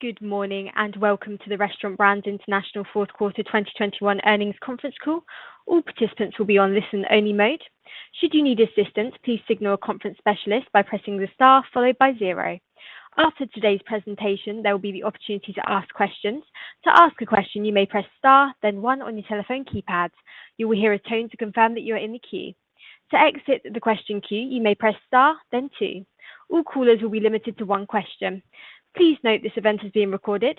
Good morning, and welcome to the Restaurant Brands International fourth quarter 2021 earnings conference call. All participants will be on listen-only mode. Should you need assistance, please signal a conference specialist by pressing the star followed by zero. After today's presentation, there will be the opportunity to ask questions. To ask a question, you may press star then one on your telephone keypads. You will hear a tone to confirm that you are in the queue. To exit the question queue, you may press star then two. All callers will be limited to one question. Please note this event is being recorded.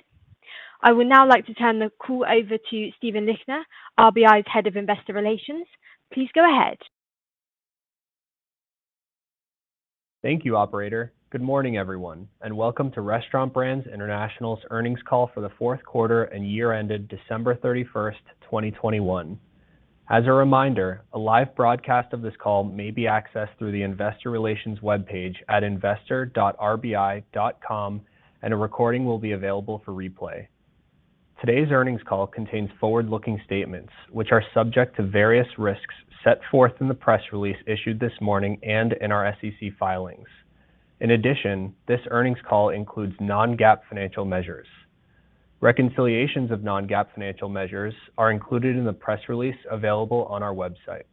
I would now like to turn the call over to Stephen Lichtner, RBI's Head of Investor Relations. Please go ahead. Thank you, operator. Good morning, everyone, and welcome to Restaurant Brands International's earnings call for the fourth quarter and year ended December 31, 2021. As a reminder, a live broadcast of this call may be accessed through the Investor Relations webpage at investor.rbi.com, and a recording will be available for replay. Today's earnings call contains forward-looking statements, which are subject to various risks set forth in the press release issued this morning and in our SEC filings. In addition, this earnings call includes non-GAAP financial measures. Reconciliations of non-GAAP financial measures are included in the press release available on our website.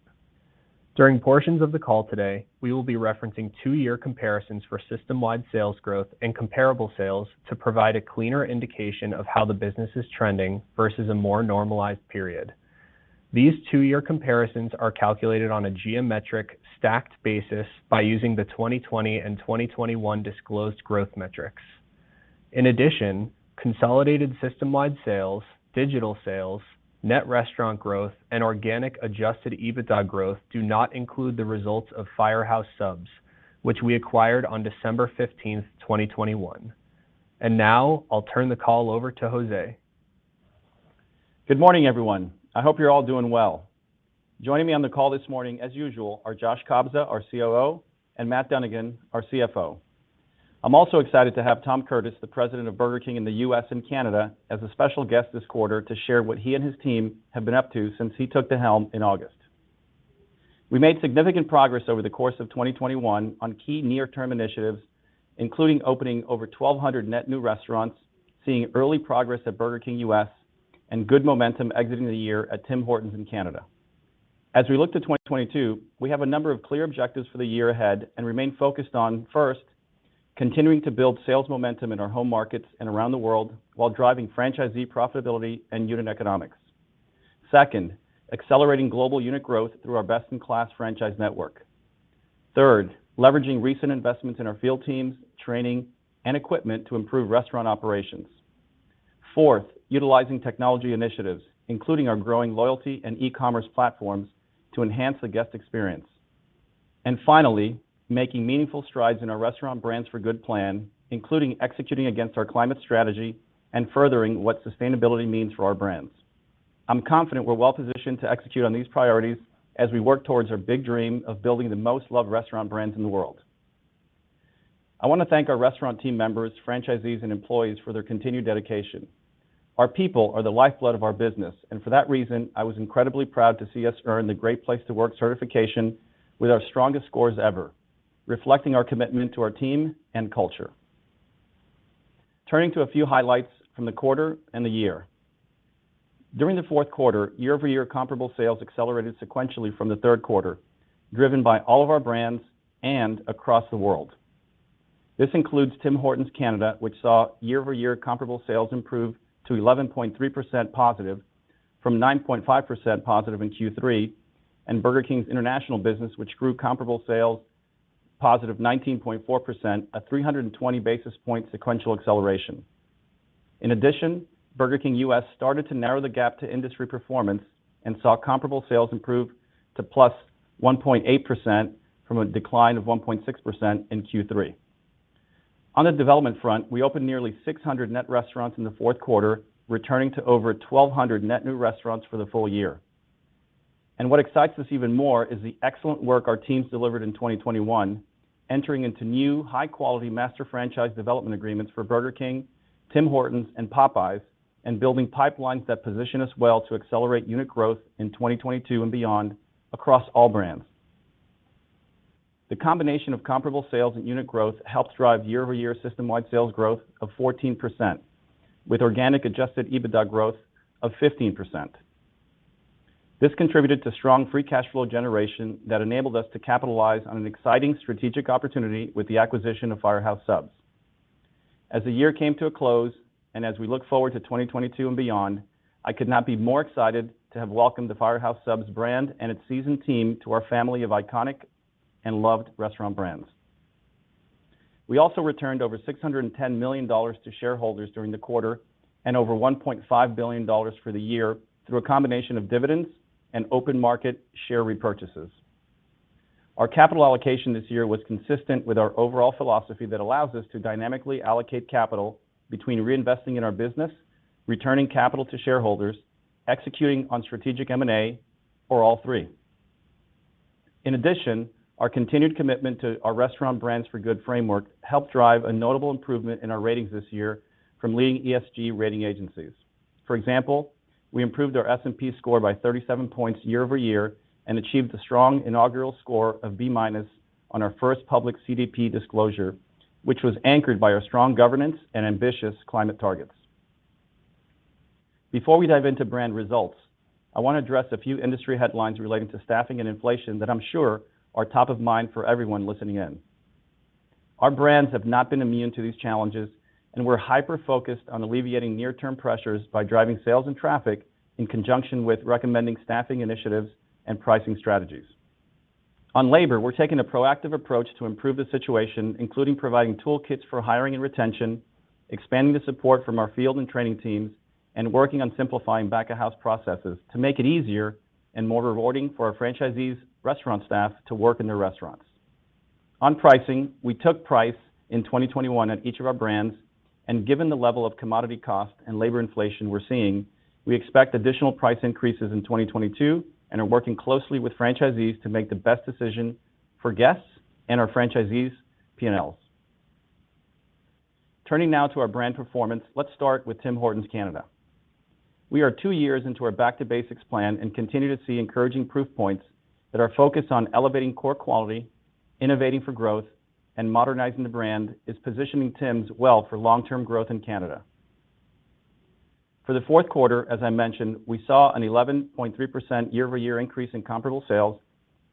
During portions of the call today, we will be referencing two-year comparisons for system-wide sales growth and comparable sales to provide a cleaner indication of how the business is trending versus a more normalized period. These two-year comparisons are calculated on a geometric stacked basis by using the 2020 and 2021 disclosed growth metrics. In addition, consolidated system-wide sales, digital sales, net restaurant growth, and organic adjusted EBITDA growth do not include the results of Firehouse Subs, which we acquired on December 15, 2021. Now I'll turn the call over to José. Good morning, everyone. I hope you're all doing well. Joining me on the call this morning as usual are Josh Kobza, our COO, and Matt Dunnigan, our CFO. I'm also excited to have Tom Curtis, the President of Burger King in the U.S. and Canada, as a special guest this quarter to share what he and his team have been up to since he took the helm in August. We made significant progress over the course of 2021 on key near term initiatives, including opening over 1,200 net new restaurants, seeing early progress at Burger King U.S., and good momentum exiting the year at Tim Hortons in Canada. As we look to 2022, we have a number of clear objectives for the year ahead and remain focused on, first, continuing to build sales momentum in our home markets and around the world while driving franchisee profitability and unit economics. Second, accelerating global unit growth through our best in class franchise network. Third, leveraging recent investments in our field teams, training, and equipment to improve restaurant operations. Fourth, utilizing technology initiatives, including our growing loyalty and e-commerce platforms to enhance the guest experience. Finally, making meaningful strides in our Restaurant Brands for Good plan, including executing against our climate strategy and furthering what sustainability means for our brands. I'm confident we're well-positioned to execute on these priorities as we work towards our big dream of building the most loved restaurant brands in the world. I wanna thank our restaurant team members, franchisees, and employees for their continued dedication. Our people are the lifeblood of our business, and for that reason, I was incredibly proud to see us earn the Great Place to Work certification with our strongest scores ever, reflecting our commitment to our team and culture. Turning to a few highlights from the quarter and the year. During the fourth quarter, year-over-year comparable sales accelerated sequentially from the third quarter, driven by all of our brands and across the world. This includes Tim Hortons Canada, which saw year-over-year comparable sales improve to 11.3% positive from 9.5% positive in Q3, and Burger King's international business, which grew comparable sales positive 19.4% at 320 basis points sequential acceleration. In addition, Burger King U.S. started to narrow the gap to industry performance and saw comparable sales improve to +1.8% from a decline of 1.6% in Q3. On the development front, we opened nearly 600 net restaurants in the fourth quarter, returning to over 1,200 net new restaurants for the full-year. What excites us even more is the excellent work our teams delivered in 2021, entering into new high quality master franchise development agreements for Burger King, Tim Hortons, and Popeyes, and building pipelines that position us well to accelerate unit growth in 2022 and beyond across all brands. The combination of comparable sales and unit growth helped drive year-over-year system-wide sales growth of 14% with organic adjusted EBITDA growth of 15%. This contributed to strong free cash flow generation that enabled us to capitalize on an exciting strategic opportunity with the acquisition of Firehouse Subs. As the year came to a close and as we look forward to 2022 and beyond, I could not be more excited to have welcomed the Firehouse Subs brand and its seasoned team to our family of iconic and loved restaurant brands. We also returned over $610 million to shareholders during the quarter and over $1.5 billion for the year through a combination of dividends and open market share repurchases. Our capital allocation this year was consistent with our overall philosophy that allows us to dynamically allocate capital between reinvesting in our business, returning capital to shareholders, executing on strategic M&A, or all three. In addition, our continued commitment to our Restaurant Brands for Good framework helped drive a notable improvement in our ratings this year from leading ESG rating agencies. For example, we improved our S&P score by 37 points year-over-year and achieved the strong inaugural score of B-minus on our first public CDP disclosure, which was anchored by our strong governance and ambitious climate targets. Before we dive into brand results, I want to address a few industry headlines relating to staffing and inflation that I'm sure are top of mind for everyone listening in. Our brands have not been immune to these challenges, and we're hyper-focused on alleviating near-term pressures by driving sales and traffic in conjunction with recommending staffing initiatives and pricing strategies. On labor, we're taking a proactive approach to improve the situation, including providing toolkits for hiring and retention, expanding the support from our field and training teams, and working on simplifying back-of-house processes to make it easier and more rewarding for our franchisees' restaurant staff to work in their restaurants. On pricing, we took price in 2021 at each of our brands, and given the level of commodity cost and labor inflation we're seeing, we expect additional price increases in 2022 and are working closely with franchisees to make the best decision for guests and our franchisees' P&Ls. Turning now to our brand performance, let's start with Tim Hortons Canada. We are two years into our back to basics plan and continue to see encouraging proof points that are focused on elevating core quality, innovating for growth, and modernizing the brand is positioning Tim's well for long-term growth in Canada. For the fourth quarter, as I mentioned, we saw an 11.3% year-over-year increase in comparable sales,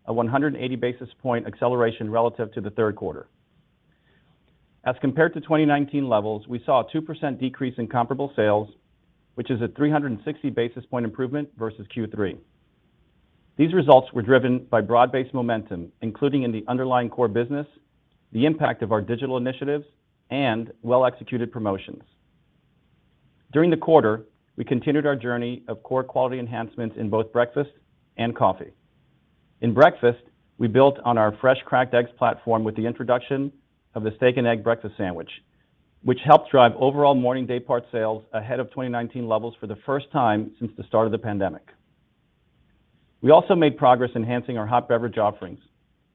a 180 basis point acceleration relative to the third quarter. As compared to 2019 levels, we saw a 2% decrease in comparable sales, which is a 360 basis points improvement versus Q3. These results were driven by broad-based momentum, including in the underlying core business, the impact of our digital initiatives, and well-executed promotions. During the quarter, we continued our journey of core quality enhancements in both breakfast and coffee. In breakfast, we built on our fresh cracked eggs platform with the introduction of the steak and egg breakfast sandwich, which helped drive overall morning day part sales ahead of 2019 levels for the first time since the start of the pandemic. We also made progress enhancing our hot beverage offerings,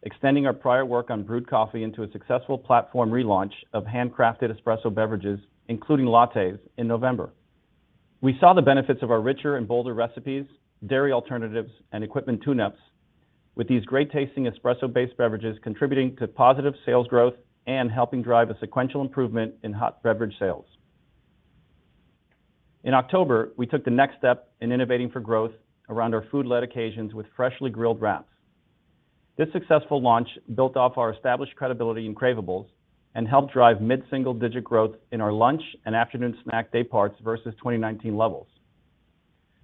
extending our prior work on brewed coffee into a successful platform relaunch of handcrafted espresso beverages, including lattes, in November. We saw the benefits of our richer and bolder recipes, dairy alternatives, and equipment tune-ups with these great-tasting espresso-based beverages contributing to positive sales growth and helping drive a sequential improvement in hot beverage sales. In October, we took the next step in innovating for growth around our food-led occasions with freshly grilled wraps. This successful launch built off our established credibility in craveables and helped drive mid-single digit growth in our lunch and afternoon snack day parts versus 2019 levels.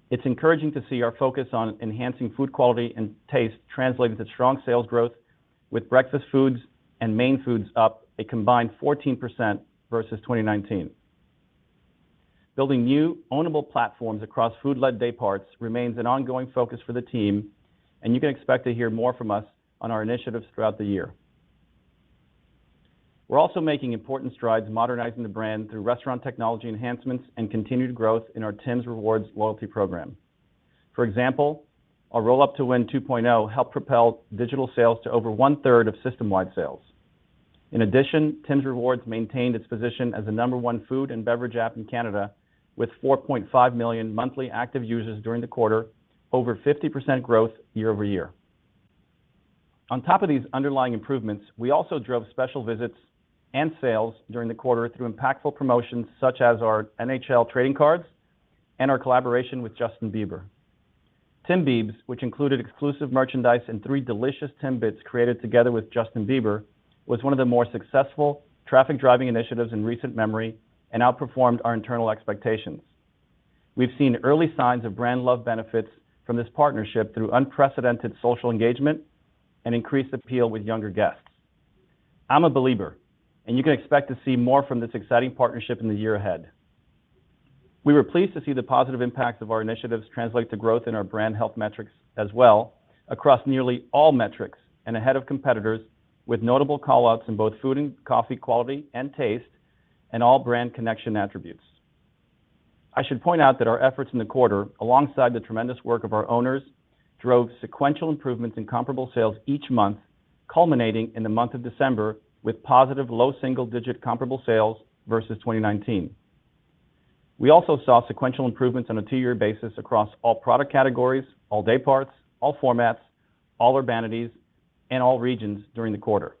It's encouraging to see our focus on enhancing food quality and taste translated to strong sales growth with breakfast foods and main foods up a combined 14% versus 2019. Building new ownable platforms across food-led day parts remains an ongoing focus for the team, and you can expect to hear more from us on our initiatives throughout the year. We're also making important strides modernizing the brand through restaurant technology enhancements and continued growth in our Tim's Rewards loyalty program. For example, our Roll Up To Win 2.0 helped propel digital sales to over one-third of system-wide sales. In addition, Tim's Rewards maintained its position as the number one food and beverage app in Canada with 4.5 million monthly active users during the quarter, over 50% growth year-over-year. On top of these underlying improvements, we also drove special visits and sales during the quarter through impactful promotions such as our NHL trading cards and our collaboration with Justin Bieber. Tim Biebs, which included exclusive merchandise and three delicious Timbits created together with Justin Bieber, was one of the more successful traffic-driving initiatives in recent memory and outperformed our internal expectations. We've seen early signs of brand love benefits from this partnership through unprecedented social engagement and increased appeal with younger guests. I'm a Belieber, and you can expect to see more from this exciting partnership in the year ahead. We were pleased to see the positive impacts of our initiatives translate to growth in our brand health metrics as well across nearly all metrics and ahead of competitors with notable call-outs in both food and coffee quality and taste and all brand connection attributes. I should point out that our efforts in the quarter, alongside the tremendous work of our owners, drove sequential improvements in comparable sales each month, culminating in the month of December with positive low single-digit comparable sales versus 2019. We also saw sequential improvements on a two-year basis across all product categories, all day parts, all formats, all urbanities, and all regions during the quarter.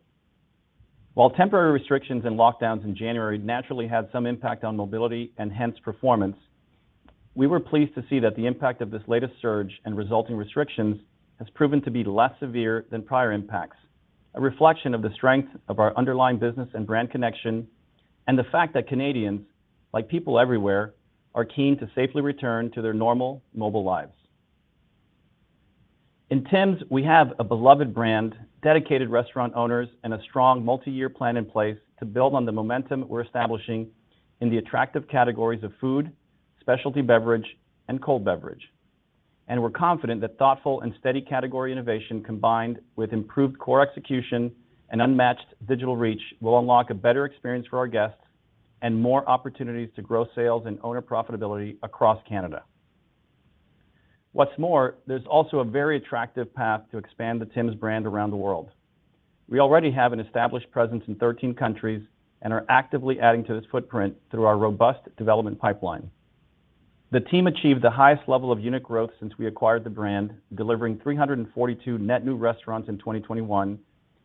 While temporary restrictions and lockdowns in January naturally had some impact on mobility and hence performance, we were pleased to see that the impact of this latest surge and resulting restrictions has proven to be less severe than prior impacts, a reflection of the strength of our underlying business and brand connection and the fact that Canadians, like people everywhere, are keen to safely return to their normal mobile lives. In Tim's, we have a beloved brand, dedicated restaurant owners, and a strong multi-year plan in place to build on the momentum we're establishing in the attractive categories of food, specialty beverage, and cold beverage. We're confident that thoughtful and steady category innovation combined with improved core execution and unmatched digital reach will unlock a better experience for our guests and more opportunities to grow sales and owner profitability across Canada. What's more, there's also a very attractive path to expand the Tim's brand around the world. We already have an established presence in 13 countries and are actively adding to this footprint through our robust development pipeline. The team achieved the highest level of unit growth since we acquired the brand, delivering 342 net new restaurants in 2021,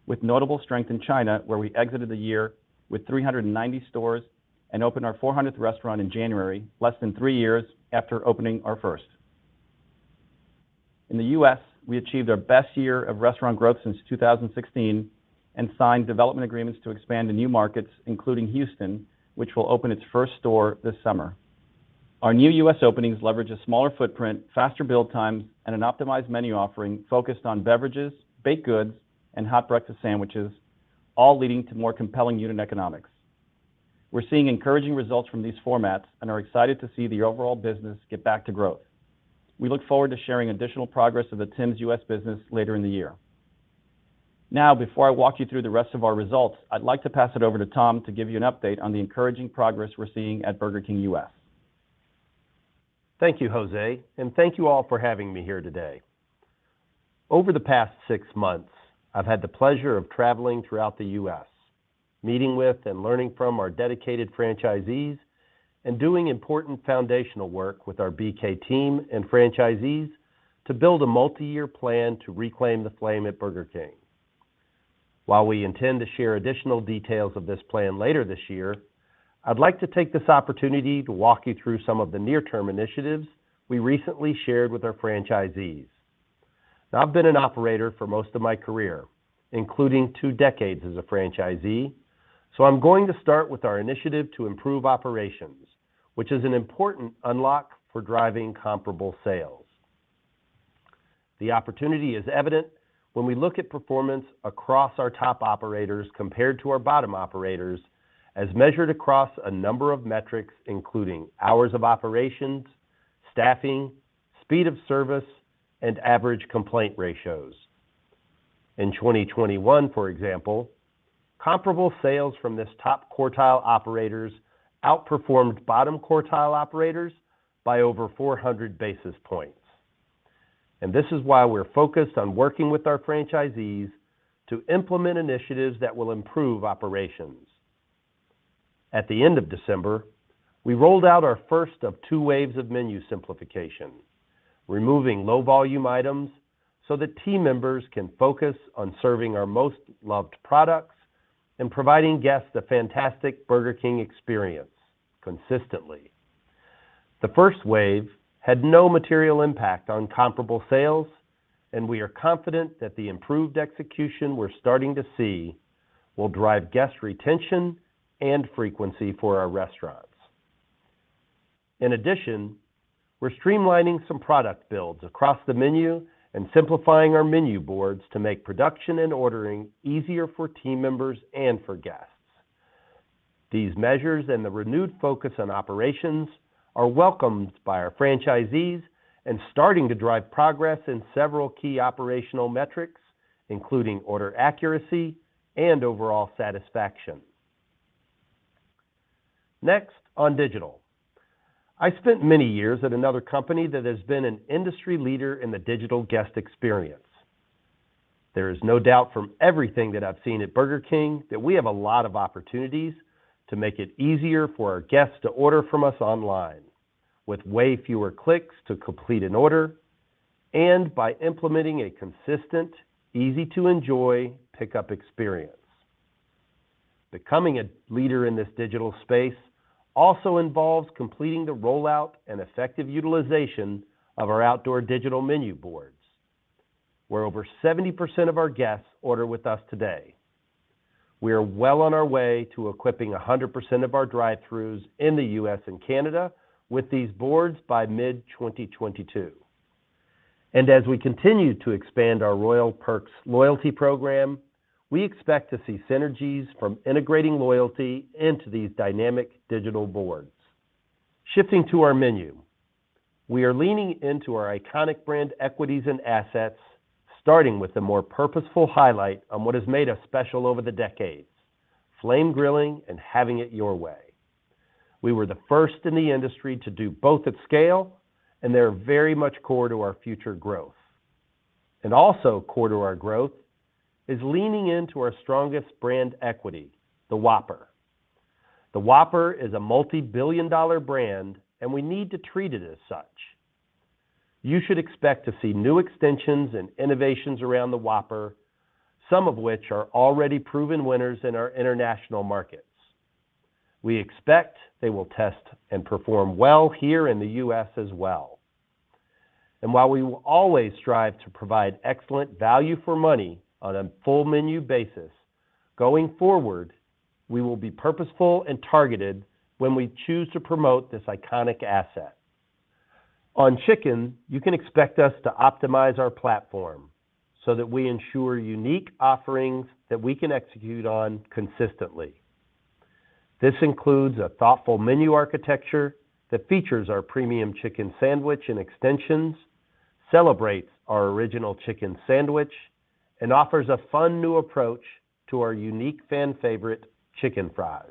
with notable strength in China, where we exited the year with 390 stores and opened our 400th restaurant in January, less than three years after opening our first. In the U.S., we achieved our best year of restaurant growth since 2016 and signed development agreements to expand to new markets, including Houston, which will open its first store this summer. Our new U.S. openings leverage a smaller footprint, faster build times, and an optimized menu offering focused on beverages, baked goods, and hot breakfast sandwiches, all leading to more compelling unit economics. We're seeing encouraging results from these formats and are excited to see the overall business get back to growth. We look forward to sharing additional progress of the Tim's U.S. business later in the year. Now, before I walk you through the rest of our results, I'd like to pass it over to Tom to give you an update on the encouraging progress we're seeing at Burger King U.S. Thank you, José, and thank you all for having me here today. Over the past six months, I've had the pleasure of traveling throughout the U.S., meeting with and learning from our dedicated franchisees and doing important foundational work with our BK team and franchisees to build a multi-year plan to reclaim the flame at Burger King. While we intend to share additional details of this plan later this year, I'd like to take this opportunity to walk you through some of the near-term initiatives we recently shared with our franchisees. I've been an operator for most of my career, including two decades as a franchisee, so I'm going to start with our initiative to improve operations, which is an important unlock for driving comparable sales. The opportunity is evident when we look at performance across our top operators compared to our bottom operators as measured across a number of metrics, including hours of operations, staffing, speed of service, and average complaint ratios. In 2021, for example, comparable sales from this top quartile operators outperformed bottom quartile operators by over 400 basis points. This is why we're focused on working with our franchisees to implement initiatives that will improve operations. At the end of December, we rolled out our first of two waves of menu simplification, removing low-volume items so that team members can focus on serving our most loved products and providing guests a fantastic Burger King experience consistently. The first wave had no material impact on comparable sales, and we are confident that the improved execution we're starting to see will drive guest retention and frequency for our restaurants. In addition, we're streamlining some product builds across the menu and simplifying our menu boards to make production and ordering easier for team members and for guests. These measures and the renewed focus on operations are welcomed by our franchisees and starting to drive progress in several key operational metrics, including order accuracy and overall satisfaction. Next, on digital. I spent many years at another company that has been an industry leader in the digital guest experience. There is no doubt from everything that I've seen at Burger King that we have a lot of opportunities to make it easier for our guests to order from us online with way fewer clicks to complete an order and by implementing a consistent, easy to enjoy pickup experience. Becoming a leader in this digital space also involves completing the rollout and effective utilization of our outdoor digital menu boards, where over 70% of our guests order with us today. We are well on our way to equipping 100% of our drive-throughs in the U.S. and Canada with these boards by mid-2022. As we continue to expand our Royal Perks loyalty program, we expect to see synergies from integrating loyalty into these dynamic digital boards. Shifting to our menu. We are leaning into our iconic brand equities and assets, starting with a more purposeful highlight on what has made us special over the decades, flame grilling and Have It Your Way. We were the first in the industry to do both at scale, and they are very much core to our future growth. Also core to our growth is leaning into our strongest brand equity, the Whopper. The Whopper is a multi-billion dollar brand, and we need to treat it as such. You should expect to see new extensions and innovations around the Whopper, some of which are already proven winners in our international markets. We expect they will test and perform well here in the U.S. as well. While we will always strive to provide excellent value for money on a full menu basis, going forward, we will be purposeful and targeted when we choose to promote this iconic asset. On chicken, you can expect us to optimize our platform so that we ensure unique offerings that we can execute on consistently. This includes a thoughtful menu architecture that features our premium chicken sandwich and extensions, celebrates our original chicken sandwich, and offers a fun new approach to our unique fan favorite, Chicken Fries.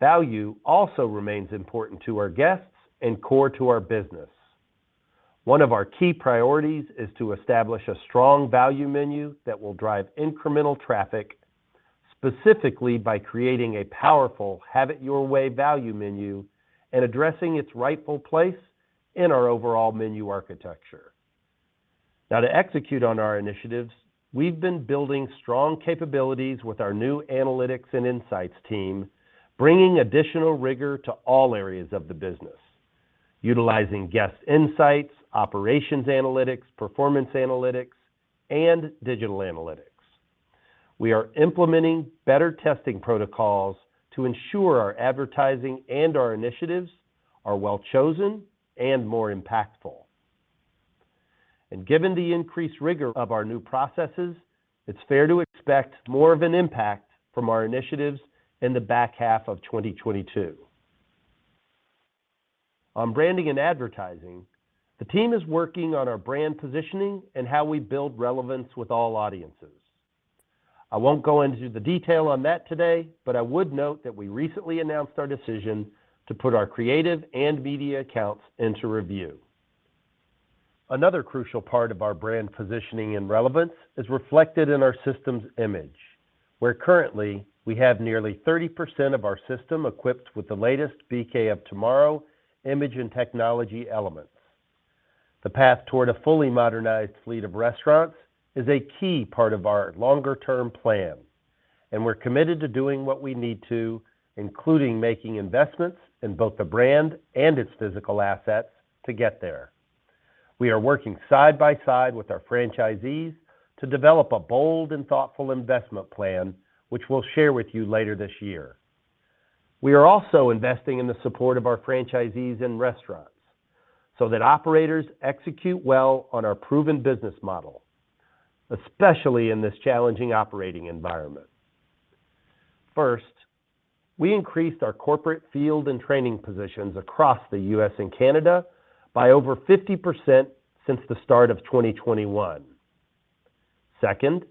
Value also remains important to our guests and core to our business. One of our key priorities is to establish a strong value menu that will drive incremental traffic, specifically by creating a powerful Have It Your Way value menu and addressing its rightful place in our overall menu architecture. Now, to execute on our initiatives, we've been building strong capabilities with our new analytics and insights team, bringing additional rigor to all areas of the business, utilizing guest insights, operations analytics, performance analytics, and digital analytics. We are implementing better testing protocols to ensure our advertising and our initiatives are well-chosen and more impactful. Given the increased rigor of our new processes, it's fair to expect more of an impact from our initiatives in the back half of 2022. On branding and advertising, the team is working on our brand positioning and how we build relevance with all audiences. I won't go into the detail on that today, but I would note that we recently announced our decision to put our creative and media accounts into review. Another crucial part of our brand positioning and relevance is reflected in our systems image, where currently we have nearly 30% of our system equipped with the latest Restaurant of Tomorrow image and technology elements. The path toward a fully modernized fleet of restaurants is a key part of our longer-term plan, and we're committed to doing what we need to, including making investments in both the brand and its physical assets to get there. We are working side by side with our franchisees to develop a bold and thoughtful investment plan, which we'll share with you later this year. We are also investing in the support of our franchisees and restaurants so that operators execute well on our proven business model, especially in this challenging operating environment. First, we increased our corporate field and training positions across the U.S. and Canada by over 50% since the start of 2021. Second,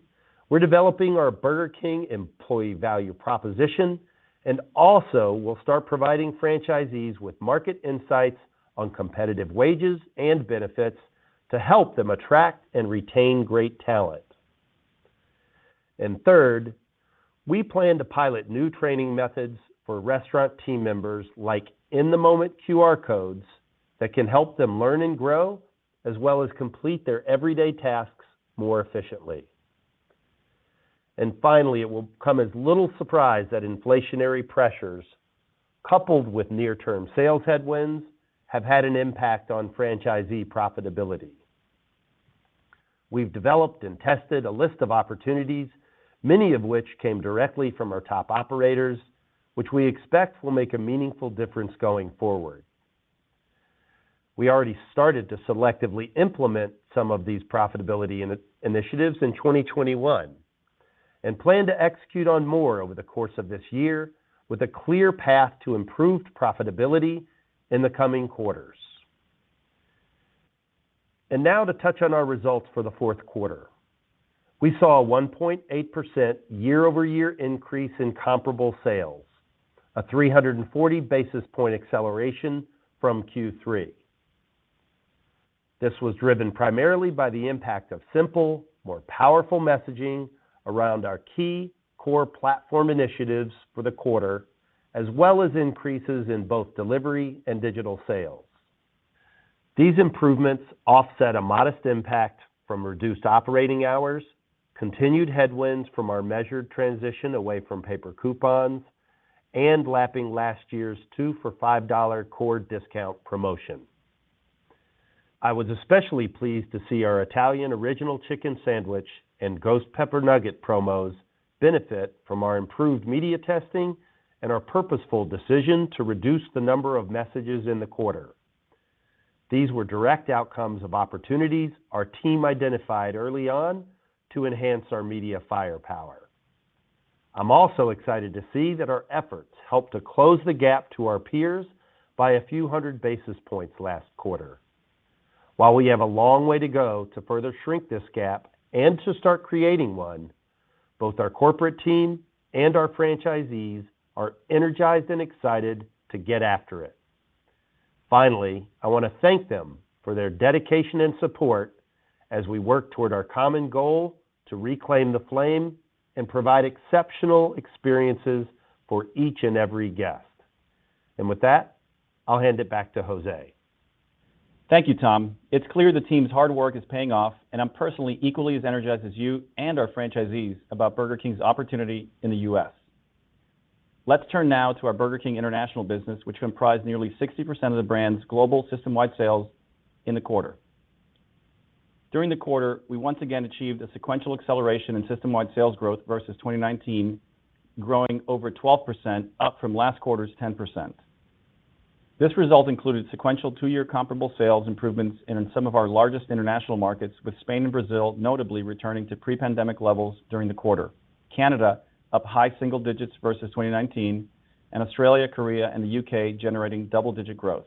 we're developing our Burger King employee value proposition and also will start providing franchisees with market insights on competitive wages and benefits to help them attract and retain great talent. Third, we plan to pilot new training methods for restaurant team members, like in-the-moment QR codes that can help them learn and grow, as well as complete their everyday tasks more efficiently. Finally, it will come as little surprise that inflationary pressures, coupled with near-term sales headwinds, have had an impact on franchisee profitability. We've developed and tested a list of opportunities, many of which came directly from our top operators, which we expect will make a meaningful difference going forward. We already started to selectively implement some of these profitability initiatives in 2021 and plan to execute on more over the course of this year with a clear path to improved profitability in the coming quarters. Now to touch on our results for the fourth quarter. We saw a 1.8% year-over-year increase in comparable sales, a 340 basis points acceleration from Q3. This was driven primarily by the impact of simple, more powerful messaging around our key core platform initiatives for the quarter, as well as increases in both delivery and digital sales. These improvements offset a modest impact from reduced operating hours, continued headwinds from our measured transition away from paper coupons, and lapping last year's Two for $5 core discount promotion. I was especially pleased to see our Italian Original Chicken Sandwich and Ghost Pepper Nuggets promos benefit from our improved media testing and our purposeful decision to reduce the number of messages in the quarter. These were direct outcomes of opportunities our team identified early on to enhance our media firepower. I'm also excited to see that our efforts helped to close the gap to our peers by a few hundred basis points last quarter. While we have a long way to go to further shrink this gap and to start creating one, both our corporate team and our franchisees are energized and excited to get after it. Finally, I want to thank them for their dedication and support as we work toward our common goal to reclaim the flame and provide exceptional experiences for each and every guest. With that, I'll hand it back to José. Thank you, Tom. It's clear the team's hard work is paying off, and I'm personally equally as energized as you and our franchisees about Burger King's opportunity in the U.S. Let's turn now to our Burger King International business, which comprised nearly 60% of the brand's global system-wide sales in the quarter. During the quarter, we once again achieved a sequential acceleration in system-wide sales growth versus 2019, growing over 12% up from last quarter's 10%. This result included sequential two-year comparable sales improvements in some of our largest international markets, with Spain and Brazil notably returning to pre-pandemic levels during the quarter. Canada up high single digits versus 2019, and Australia, Korea, and the U.K. generating double-digit growth.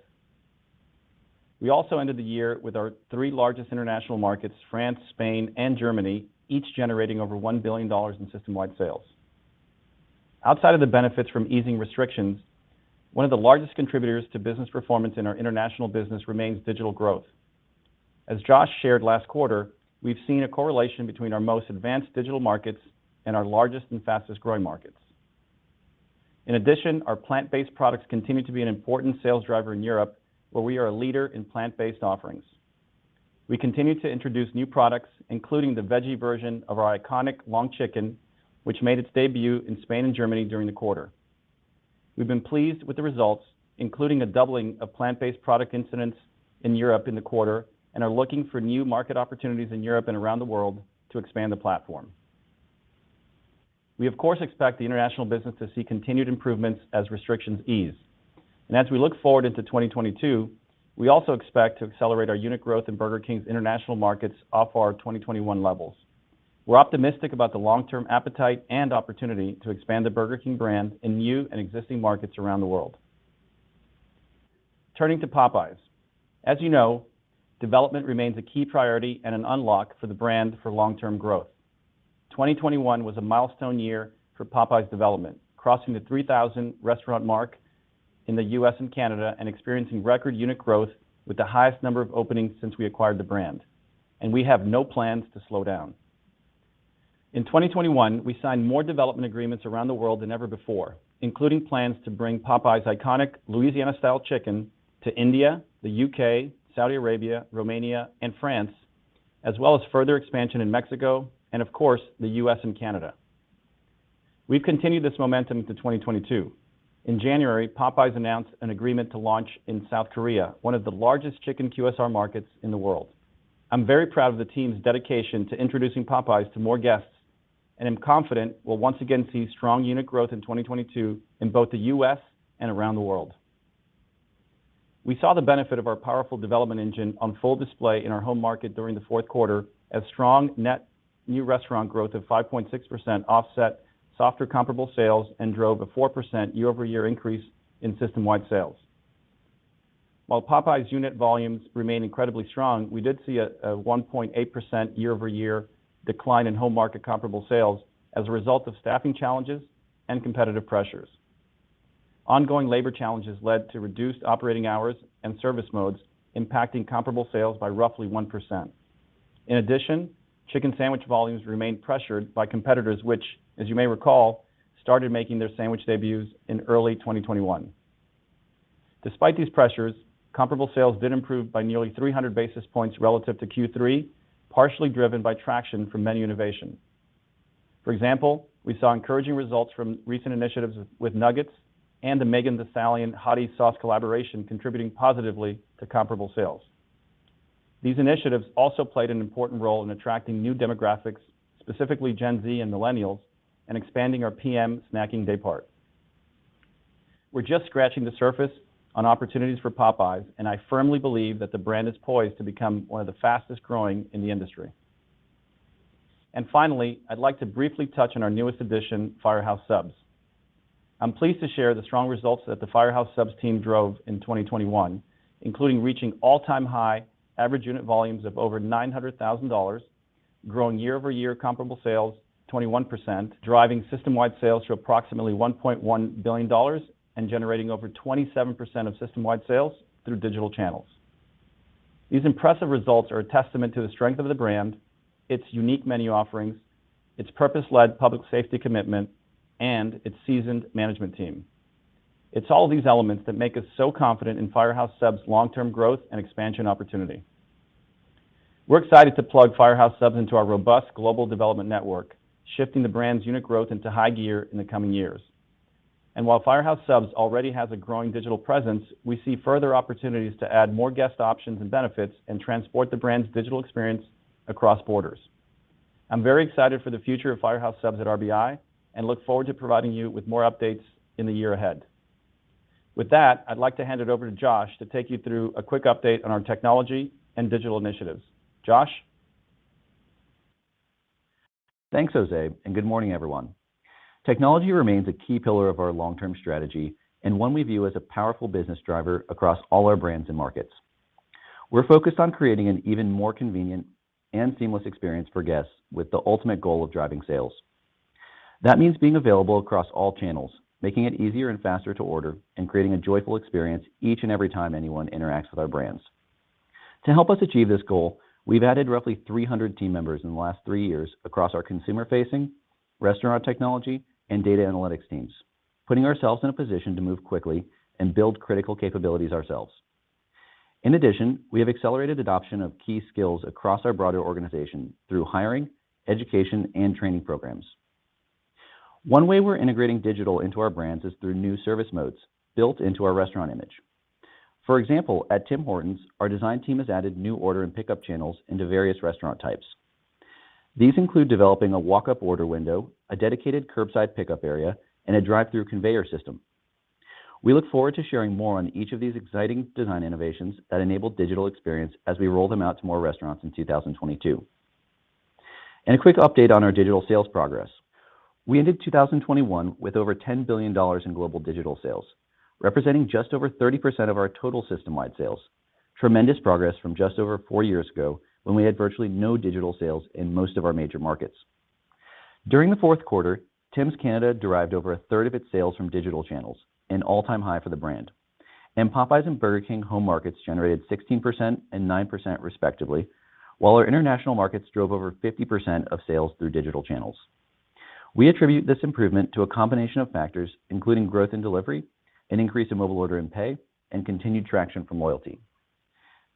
We also ended the year with our three largest international markets, France, Spain, and Germany, each generating over $1 billion in system-wide sales. Outside of the benefits from easing restrictions, one of the largest contributors to business performance in our international business remains digital growth. As Josh shared last quarter, we've seen a correlation between our most advanced digital markets and our largest and fastest-growing markets. In addition, our plant-based products continue to be an important sales driver in Europe, where we are a leader in plant-based offerings. We continue to introduce new products, including the veggie version of our iconic Long Chicken, which made its debut in Spain and Germany during the quarter. We've been pleased with the results, including a doubling of plant-based product incidents in Europe in the quarter, and are looking for new market opportunities in Europe and around the world to expand the platform. We, of course, expect the international business to see continued improvements as restrictions ease. As we look forward into 2022, we also expect to accelerate our unit growth in Burger King's international markets off our 2021 levels. We're optimistic about the long-term appetite and opportunity to expand the Burger King brand in new and existing markets around the world. Turning to Popeyes. As you know, development remains a key priority and an unlock for the brand for long-term growth. 2021 was a milestone year for Popeyes development, crossing the 3,000 restaurant mark in the U.S. and Canada, and experiencing record unit growth with the highest number of openings since we acquired the brand. We have no plans to slow down. In 2021, we signed more development agreements around the world than ever before, including plans to bring Popeyes' iconic Louisiana-style chicken to India, the U.K., Saudi Arabia, Romania, and France, as well as further expansion in Mexico, and of course, the U.S. and Canada. We've continued this momentum into 2022. In January, Popeyes announced an agreement to launch in South Korea, one of the largest chicken QSR markets in the world. I'm very proud of the team's dedication to introducing Popeyes to more guests, and I'm confident we'll once again see strong unit growth in 2022 in both the U.S. and around the world. We saw the benefit of our powerful development engine on full display in our home market during the fourth quarter as strong net new restaurant growth of 5.6% offset softer comparable sales and drove a 4% year-over-year increase in system-wide sales. While Popeyes unit volumes remain incredibly strong, we did see a 1.8% year-over-year decline in home market comparable sales as a result of staffing challenges and competitive pressures. Ongoing labor challenges led to reduced operating hours and service modes impacting comparable sales by roughly 1%. In addition, chicken sandwich volumes remained pressured by competitors, which, as you may recall, started making their sandwich debuts in early 2021. Despite these pressures, comparable sales did improve by nearly 300 basis points relative to Q3, partially driven by traction from menu innovation. For example, we saw encouraging results from recent initiatives with nuggets and the Megan Thee Stallion Hottie Sauce collaboration contributing positively to comparable sales. These initiatives also played an important role in attracting new demographics, specifically Gen Z and Millennials, and expanding our PM snacking day part. We're just scratching the surface on opportunities for Popeyes, and I firmly believe that the brand is poised to become one of the fastest-growing in the industry. Finally, I'd like to briefly touch on our newest addition, Firehouse Subs. I'm pleased to share the strong results that the Firehouse Subs team drove in 2021, including reaching all-time high average unit volumes of over $900,000, growing year-over-year comparable sales 21%, driving system-wide sales to approximately $1.1 billion, and generating over 27% of system-wide sales through digital channels. These impressive results are a testament to the strength of the brand, its unique menu offerings, its purpose-led public safety commitment, and its seasoned management team. It's all these elements that make us so confident in Firehouse Subs' long-term growth and expansion opportunity. We're excited to plug Firehouse Subs into our robust global development network, shifting the brand's unit growth into high gear in the coming years. While Firehouse Subs already has a growing digital presence, we see further opportunities to add more guest options and benefits and transport the brand's digital experience across borders. I'm very excited for the future of Firehouse Subs at RBI and look forward to providing you with more updates in the year ahead. With that, I'd like to hand it over to Josh to take you through a quick update on our technology and digital initiatives. Josh? Thanks, José, and good morning, everyone. Technology remains a key pillar of our long-term strategy and one we view as a powerful business driver across all our brands and markets. We're focused on creating an even more convenient and seamless experience for guests with the ultimate goal of driving sales. That means being available across all channels, making it easier and faster to order, and creating a joyful experience each and every time anyone interacts with our brands. To help us achieve this goal, we've added roughly 300 team members in the last three years across our consumer-facing, restaurant technology, and data analytics teams, putting ourselves in a position to move quickly and build critical capabilities ourselves. In addition, we have accelerated adoption of key skills across our broader organization through hiring, education, and training programs. One way we're integrating digital into our brands is through new service modes built into our restaurant image. For example, at Tim Hortons, our design team has added new order and pickup channels into various restaurant types. These include developing a walk-up order window, a dedicated curbside pickup area, and a drive-thru conveyor system. We look forward to sharing more on each of these exciting design innovations that enable digital experience as we roll them out to more restaurants in 2022. A quick update on our digital sales progress. We ended 2021 with over $10 billion in global digital sales, representing just over 30% of our total system-wide sales. Tremendous progress from just over four years ago when we had virtually no digital sales in most of our major markets. During the fourth quarter, Tim Hortons Canada derived over a third of its sales from digital channels, an all-time high for the brand. Popeyes and Burger King home markets generated 16% and 9% respectively, while our international markets drove over 50% of sales through digital channels. We attribute this improvement to a combination of factors, including growth in delivery, an increase in mobile order and pay, and continued traction from loyalty.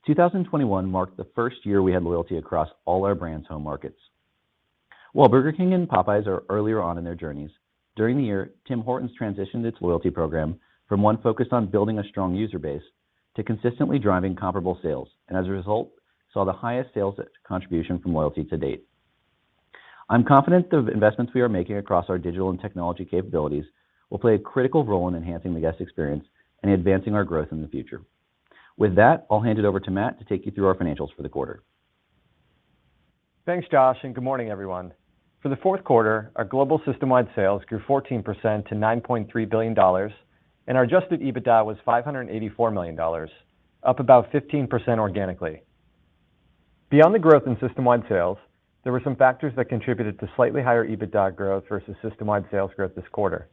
2021 marked the first year we had loyalty across all our brands' home markets. While Burger King and Popeyes are earlier on in their journeys, during the year, Tim Hortons transitioned its loyalty program from one focused on building a strong user base to consistently driving comparable sales, and as a result, saw the highest sales contribution from loyalty to date. I'm confident the investments we are making across our digital and technology capabilities will play a critical role in enhancing the guest experience and advancing our growth in the future. With that, I'll hand it over to Matt to take you through our financials for the quarter. Thanks, Josh, and good morning, everyone. For the fourth quarter, our global system-wide sales grew 14% to $9.3 billion, and our adjusted EBITDA was $584 million, up about 15% organically. Beyond the growth in system-wide sales, there were some factors that contributed to slightly higher EBITDA growth versus system-wide sales growth this quarter.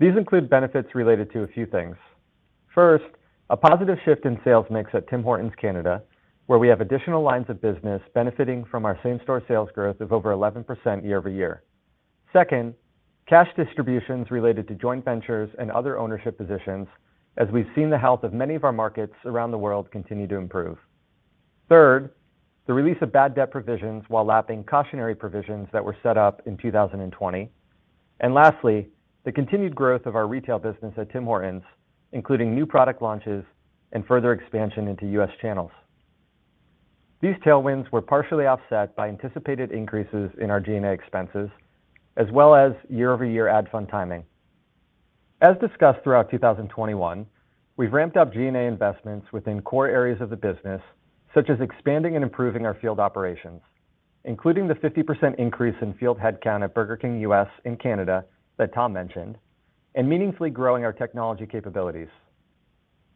These include benefits related to a few things. First, a positive shift in sales mix at Tim Hortons Canada, where we have additional lines of business benefiting from our same-store sales growth of over 11% year-over-year. Second, cash distributions related to joint ventures and other ownership positions as we've seen the health of many of our markets around the world continue to improve. Third, the release of bad debt provisions while lapping cautionary provisions that were set up in 2020. Lastly, the continued growth of our retail business at Tim Hortons, including new product launches and further expansion into U.S. channels. These tailwinds were partially offset by anticipated increases in our G&A expenses as well as year-over-year ad fund timing. As discussed throughout 2021, we've ramped up G&A investments within core areas of the business, such as expanding and improving our field operations, including the 50% increase in field headcount at Burger King U.S. and Canada that Tom mentioned, and meaningfully growing our technology capabilities.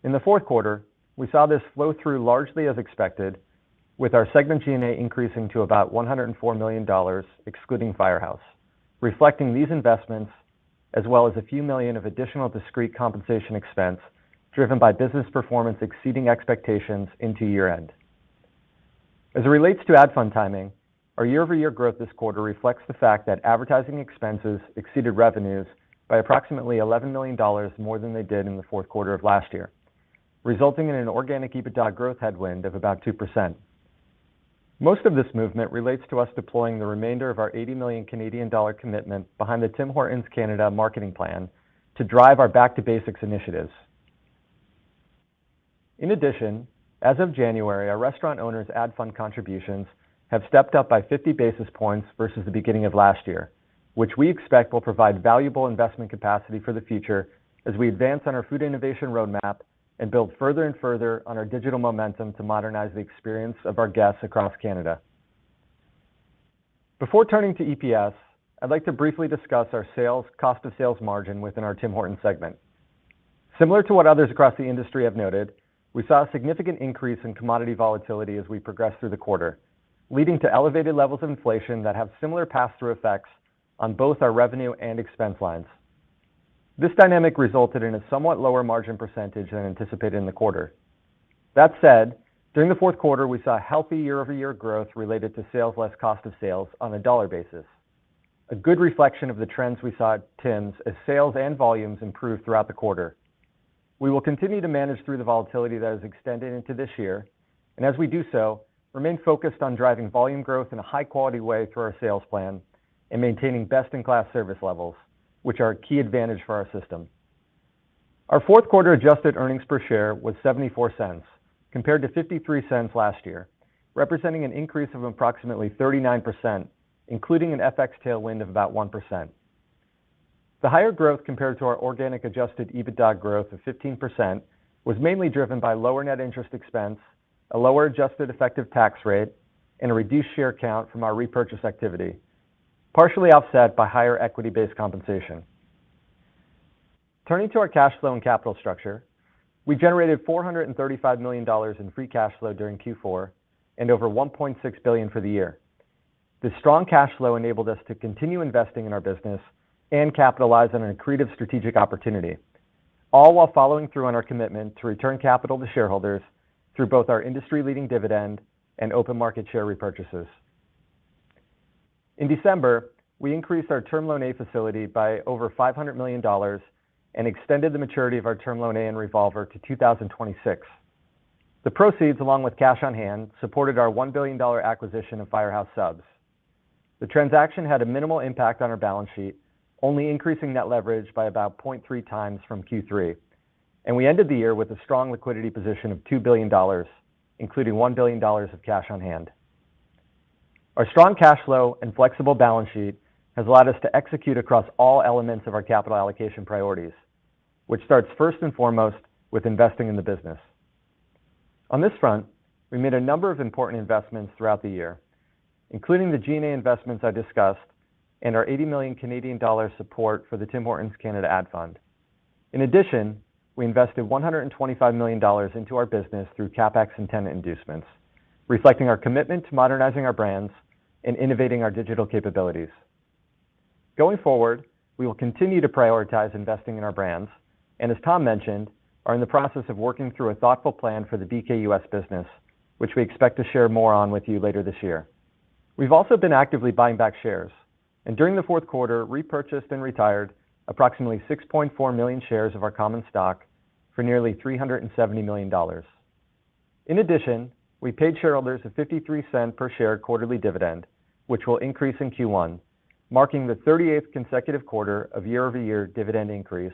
In the fourth quarter, we saw this flow through largely as expected with our segment G&A increasing to about $104 million excluding Firehouse, reflecting these investments as well as a few million of additional discrete compensation expense driven by business performance exceeding expectations into year-end. As it relates to ad fund timing, our year-over-year growth this quarter reflects the fact that advertising expenses exceeded revenues by approximately $11 million more than they did in the fourth quarter of last year, resulting in an organic EBITDA growth headwind of about 2%. Most of this movement relates to us deploying the remainder of our 80 million Canadian dollar commitment behind the Tim Hortons Canada marketing plan to drive our back to basics initiatives. In addition, as of January, our restaurant owners' ad fund contributions have stepped up by 50 basis points versus the beginning of last year, which we expect will provide valuable investment capacity for the future as we advance on our food innovation roadmap and build further and further on our digital momentum to modernize the experience of our guests across Canada. Before turning to EPS, I'd like to briefly discuss our sales-cost of sales margin within our Tim Hortons segment. Similar to what others across the industry have noted, we saw a significant increase in commodity volatility as we progressed through the quarter, leading to elevated levels of inflation that have similar pass-through effects on both our revenue and expense lines. This dynamic resulted in a somewhat lower margin percentage than anticipated in the quarter. That said, during the fourth quarter, we saw healthy year-over-year growth related to sales less cost of sales on a dollar basis, a good reflection of the trends we saw at Tim's as sales and volumes improved throughout the quarter. We will continue to manage through the volatility that has extended into this year, and as we do so, remain focused on driving volume growth in a high-quality way through our sales plan and maintaining best-in-class service levels, which are a key advantage for our system. Our fourth quarter adjusted earnings per share was $0.74 compared to $0.53 last year, representing an increase of approximately 39%, including an FX tailwind of about 1%. The higher growth compared to our organic adjusted EBITDA growth of 15% was mainly driven by lower net interest expense, a lower adjusted effective tax rate, and a reduced share count from our repurchase activity, partially offset by higher equity-based compensation. Turning to our cash flow and capital structure, we generated $435 million in free cash flow during Q4 and over $1.6 billion for the year. This strong cash flow enabled us to continue investing in our business and capitalize on an accretive strategic opportunity, all while following through on our commitment to return capital to shareholders through both our industry-leading dividend and open market share repurchases. In December, we increased our Term Loan A facility by over $500 million and extended the maturity of our Term Loan A and revolver to 2026. The proceeds, along with cash on hand, supported our $1 billion acquisition of Firehouse Subs. The transaction had a minimal impact on our balance sheet, only increasing net leverage by about 0.3x from Q3, and we ended the year with a strong liquidity position of $2 billion, including $1 billion of cash on hand. Our strong cash flow and flexible balance sheet has allowed us to execute across all elements of our capital allocation priorities, which starts first and foremost with investing in the business. On this front, we made a number of important investments throughout the year, including the G&A investments I discussed and our 80 million Canadian dollar support for the Tim Hortons Canada Ad Fund. In addition, we invested $125 million into our business through CapEx and tenant inducements, reflecting our commitment to modernizing our brands and innovating our digital capabilities. Going forward, we will continue to prioritize investing in our brands and as Tom mentioned, are in the process of working through a thoughtful plan for the BK U.S. business, which we expect to share more on with you later this year. We've also been actively buying back shares, and during the fourth quarter, repurchased and retired approximately 6.4 million shares of our common stock for nearly $370 million. In addition, we paid shareholders a $0.53 per share quarterly dividend, which will increase in Q1, marking the 38th consecutive quarter of year-over-year dividend increase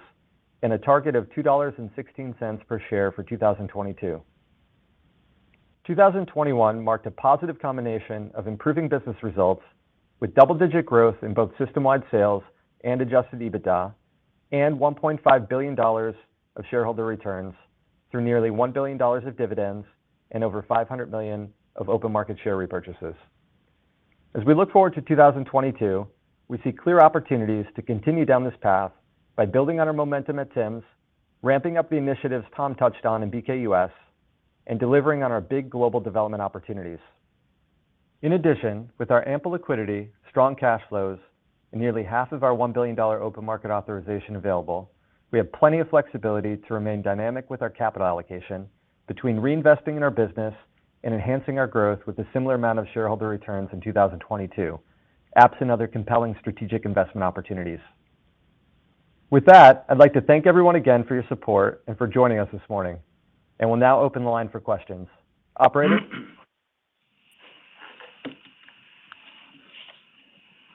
and a target of $2.16 per share for 2022. 2021 marked a positive combination of improving business results with double-digit growth in both system-wide sales and adjusted EBITDA and $1.5 billion of shareholder returns through nearly $1 billion of dividends and over $500 million of open market share repurchases. As we look forward to 2022, we see clear opportunities to continue down this path by building on our momentum at Tim's, ramping up the initiatives Tom touched on in BK U.S., and delivering on our big global development opportunities. In addition, with our ample liquidity, strong cash flows, and nearly half of our $1 billion open market authorization available, we have plenty of flexibility to remain dynamic with our capital allocation between reinvesting in our business and enhancing our growth with a similar amount of shareholder returns in 2022, absent other compelling strategic investment opportunities. With that, I'd like to thank everyone again for your support and for joining us this morning. We'll now open the line for questions. Operator?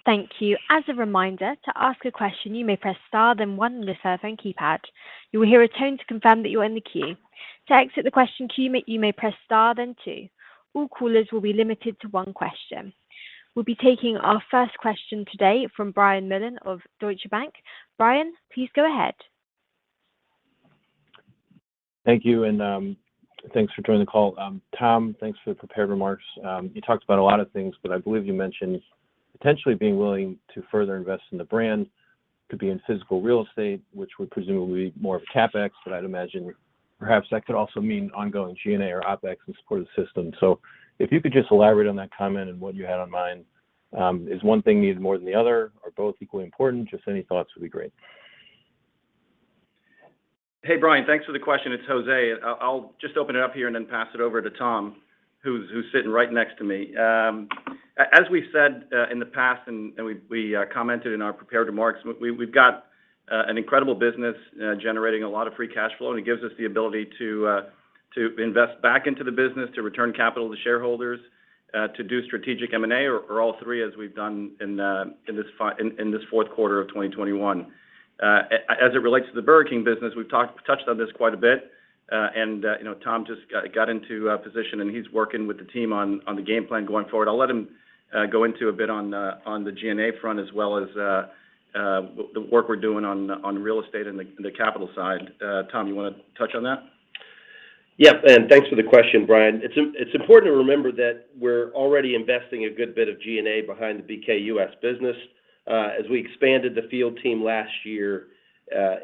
Thank you. As a reminder, to ask a question, you may press star then one on your cellphone keypad. You will hear a tone to confirm that you're in the queue. To exit the question queue, you may press star then two. All callers will be limited to one question. We'll be taking our first question today from Brian Mullan of Deutsche Bank. Brian, please go ahead. Thank you, and thanks for joining the call. Tom, thanks for the prepared remarks. You talked about a lot of things, but I believe you mentioned potentially being willing to further invest in the brand, could be in physical real estate, which would presumably be more of a CapEx, but I'd imagine perhaps that could also mean ongoing G&A or OpEx and support of the system. If you could just elaborate on that comment and what you had in mind, is one thing needed more than the other? Are both equally important? Just any thoughts would be great. Hey, Brian, thanks for the question. It's José. I'll just open it up here and then pass it over to Tom, who's sitting right next to me. As we said in the past and we commented in our prepared remarks, we've got an incredible business generating a lot of free cash flow, and it gives us the ability to invest back into the business, to return capital to shareholders, to do strategic M&A or all three as we've done in this fourth quarter of 2021. As it relates to the Burger King business, we've touched on this quite a bit, and you know, Tom just got into a position, and he's working with the team on the game plan going forward. I'll let him go into a bit on the G&A front as well as the work we're doing on real estate and the capital side. Tom, you wanna touch on that? Yes, thanks for the question, Brian. It's important to remember that we're already investing a good bit of G&A behind the BK U.S. business, as we expanded the field team last year,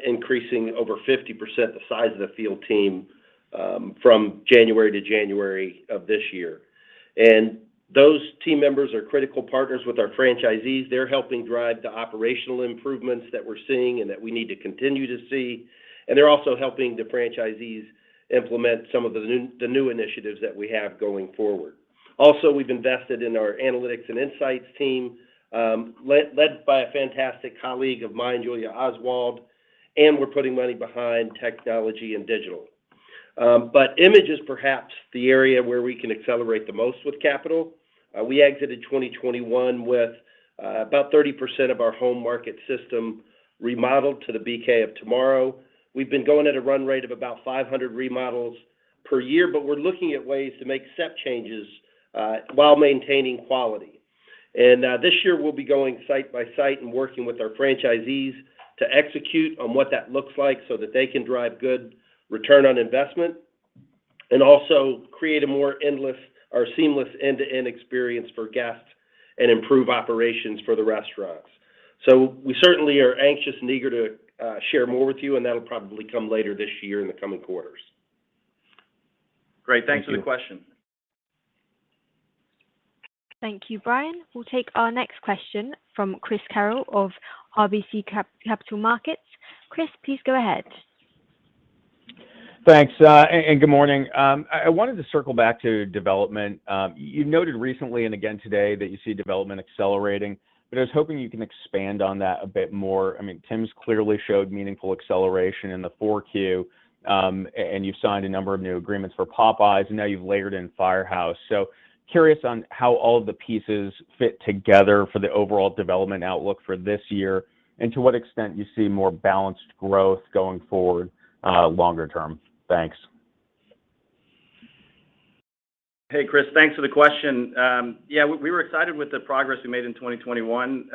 increasing over 50% the size of the field team, from January to January of this year. Those team members are critical partners with our franchisees. They're helping drive the operational improvements that we're seeing and that we need to continue to see, and they're also helping the franchisees implement some of the new initiatives that we have going forward. Also, we've invested in our analytics and insights team, led by a fantastic colleague of mine, Julia Oswald, and we're putting money behind technology and digital. But image is perhaps the area where we can accelerate the most with capital. We exited 2021 with about 30% of our home market system remodeled to the BK of tomorrow. We've been going at a run rate of about 500 remodels per year, but we're looking at ways to make step changes while maintaining quality. This year we'll be going site by site and working with our franchisees to execute on what that looks like so that they can drive good return on investment and also create a more endless or seamless end-to-end experience for guests and improve operations for the restaurants. We certainly are anxious and eager to share more with you, and that'll probably come later this year in the coming quarters. Great. Thank you. Thanks for the question. Thank you, Brian. We'll take our next question from Chris Carril of RBC Capital Markets. Chris, please go ahead. Thanks, and good morning. I wanted to circle back to development. You noted recently and again today that you see development accelerating, but I was hoping you can expand on that a bit more. I mean, Tim's clearly showed meaningful acceleration in the 4Q, and you've signed a number of new agreements for Popeyes, and now you've layered in Firehouse. Curious on how all of the pieces fit together for the overall development outlook for this year and to what extent you see more balanced growth going forward, longer term. Thanks. Hey, Chris, thanks for the question. Yeah, we were excited with the progress we made in 2021.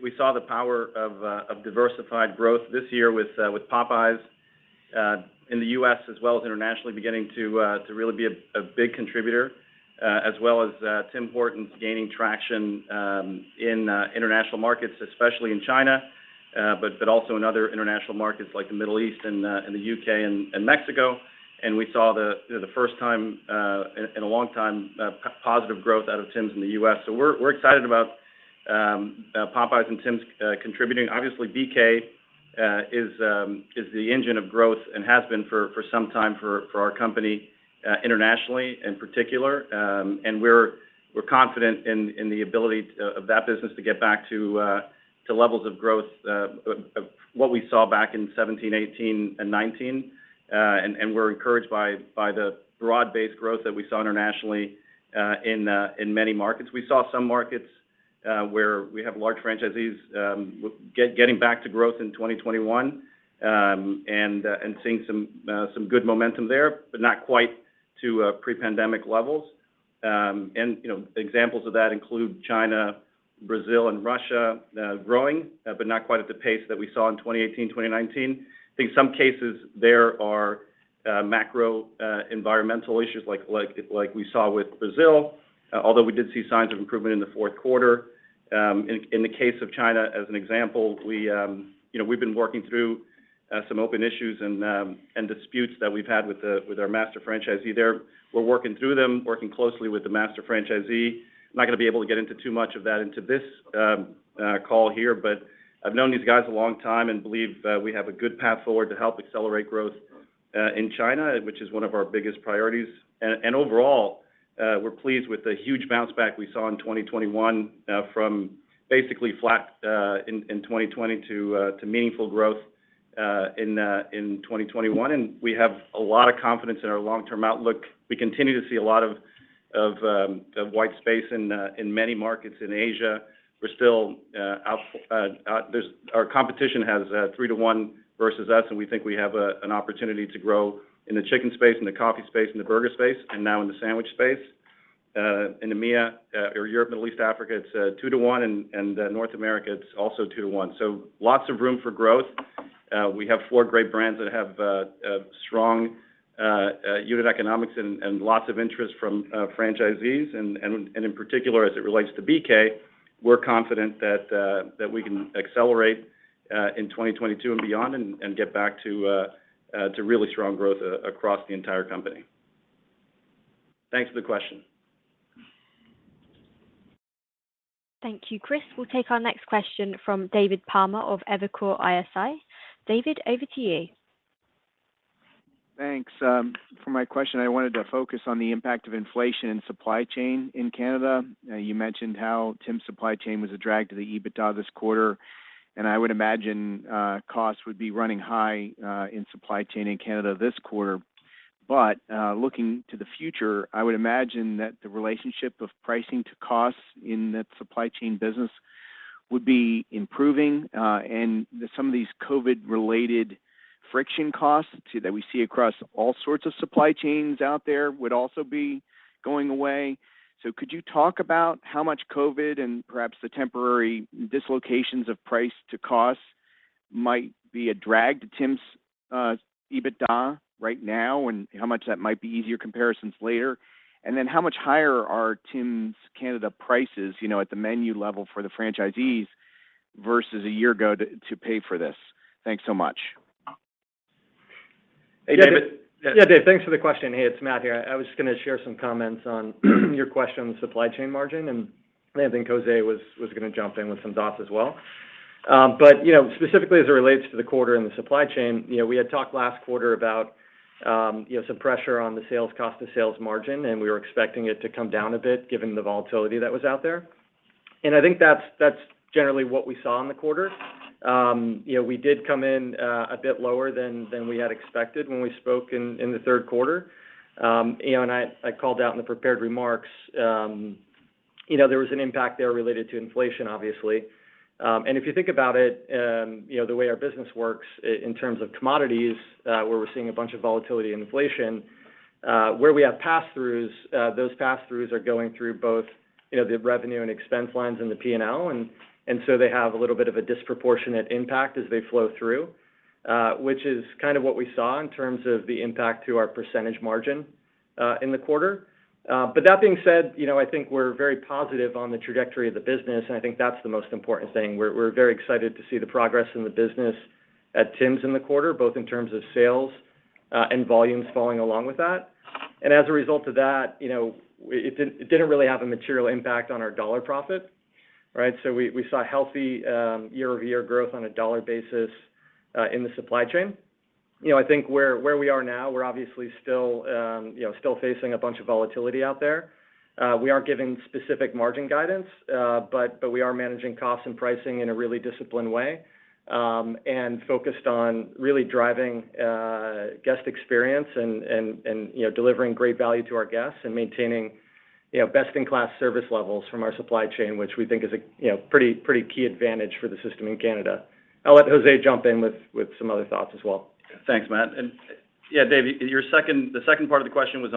We saw the power of diversified growth this year with Popeyes in the U.S. as well as internationally beginning to really be a big contributor, as well as Tim Hortons gaining traction in international markets, especially in China, but also in other international markets like the Middle East and the U.K. and Mexico. We saw you know the first time in a long time positive growth out of Tim's in the U.S. We're excited about Popeyes and Tim's contributing. Obviously, BK is the engine of growth and has been for some time for our company internationally in particular. We're confident in the ability of that business to get back to levels of growth of what we saw back in 2017, 2018, and 2019. We're encouraged by the broad-based growth that we saw internationally in many markets. We saw some markets where we have large franchisees getting back to growth in 2021 and seeing some good momentum there, but not quite to pre-pandemic levels. You know, examples of that include China, Brazil, and Russia growing, but not quite at the pace that we saw in 2018, 2019. I think some cases there are macro environmental issues like we saw with Brazil, although we did see signs of improvement in the fourth quarter. In the case of China, as an example, you know, we've been working through some open issues and disputes that we've had with our master franchisee there. We're working through them, working closely with the master franchisee. I'm not gonna be able to get into too much of that into this call here, but I've known these guys a long time and believe we have a good path forward to help accelerate growth in China, which is one of our biggest priorities. Overall, we're pleased with the huge bounce back we saw in 2021 from basically flat in 2020 to meaningful growth in 2021. We have a lot of confidence in our long-term outlook. We continue to see a lot of white space in many markets in Asia. Our competition has three-to-one versus us, and we think we have an opportunity to grow in the chicken space, in the coffee space, in the burger space, and now in the sandwich space. In EMEA, or Europe, Middle East, Africa, it's two-to-one, and North America, it's also two-to-one. Lots of room for growth. We have four great brands that have a strong unit economics and in particular, as it relates to BK, we're confident that we can accelerate in 2022 and beyond and get back to really strong growth across the entire company. Thanks for the question. Thank you, Chris. We'll take our next question from David Palmer of Evercore ISI. David, over to you. Thanks. For my question, I wanted to focus on the impact of inflation and supply chain in Canada. You mentioned how Tim's supply chain was a drag to the EBITDA this quarter, and I would imagine costs would be running high in supply chain in Canada this quarter. Looking to the future, I would imagine that the relationship of pricing to costs in that supply chain business would be improving, and some of these COVID-related friction costs that we see across all sorts of supply chains out there would also be going away. Could you talk about how much COVID and perhaps the temporary dislocations of price to cost might be a drag to Tim's EBITDA right now and how much that might be easier comparisons later? How much higher are Tim's Canada prices, you know, at the menu level for the franchisees versus a year ago to pay for this? Thanks so much. Hey, David. Yeah. Yeah, Dave. Thanks for the question. Hey, it's Matt here. I was just gonna share some comments on your question on the supply chain margin, and I think José was gonna jump in with some thoughts as well. But, you know, specifically as it relates to the quarter and the supply chain, you know, we had talked last quarter about, you know, some pressure on the sales cost to sales margin, and we were expecting it to come down a bit given the volatility that was out there. I think that's generally what we saw in the quarter. You know, we did come in a bit lower than we had expected when we spoke in the third quarter. You know, I called out in the prepared remarks, you know, there was an impact there related to inflation, obviously. If you think about it, you know, the way our business works in terms of commodities, where we're seeing a bunch of volatility and inflation, where we have pass-throughs, those pass-throughs are going through both, you know, the revenue and expense lines in the P&L. So they have a little bit of a disproportionate impact as they flow through, which is kind of what we saw in terms of the impact to our percentage margin in the quarter. That being said, you know, I think we're very positive on the trajectory of the business, and I think that's the most important thing. We're very excited to see the progress in the business at Tim's in the quarter, both in terms of sales and volumes falling along with that. As a result of that, it didn't really have a material impact on our dollar profit, right? We saw healthy year-over-year growth on a dollar basis in the supply chain. I think where we are now, we're obviously still facing a bunch of volatility out there. We aren't giving specific margin guidance, but we are managing costs and pricing in a really disciplined way and focused on really driving guest experience and delivering great value to our guests and maintaining. You know, best-in-class service levels from our supply chain, which we think is a you know pretty key advantage for the system in Canada. I'll let José jump in with some other thoughts as well. Thanks, Matt. Yeah, David, your second part of the question was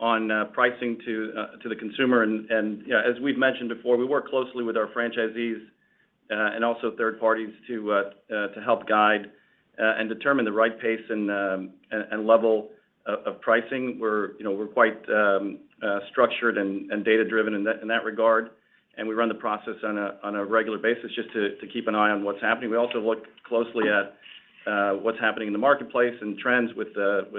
on pricing to the consumer. You know, as we've mentioned before, we work closely with our franchisees and also third parties to help guide and determine the right pace and level of pricing. You know, we're quite structured and data-driven in that regard, and we run the process on a regular basis just to keep an eye on what's happening. We also look closely at what's happening in the marketplace and trends with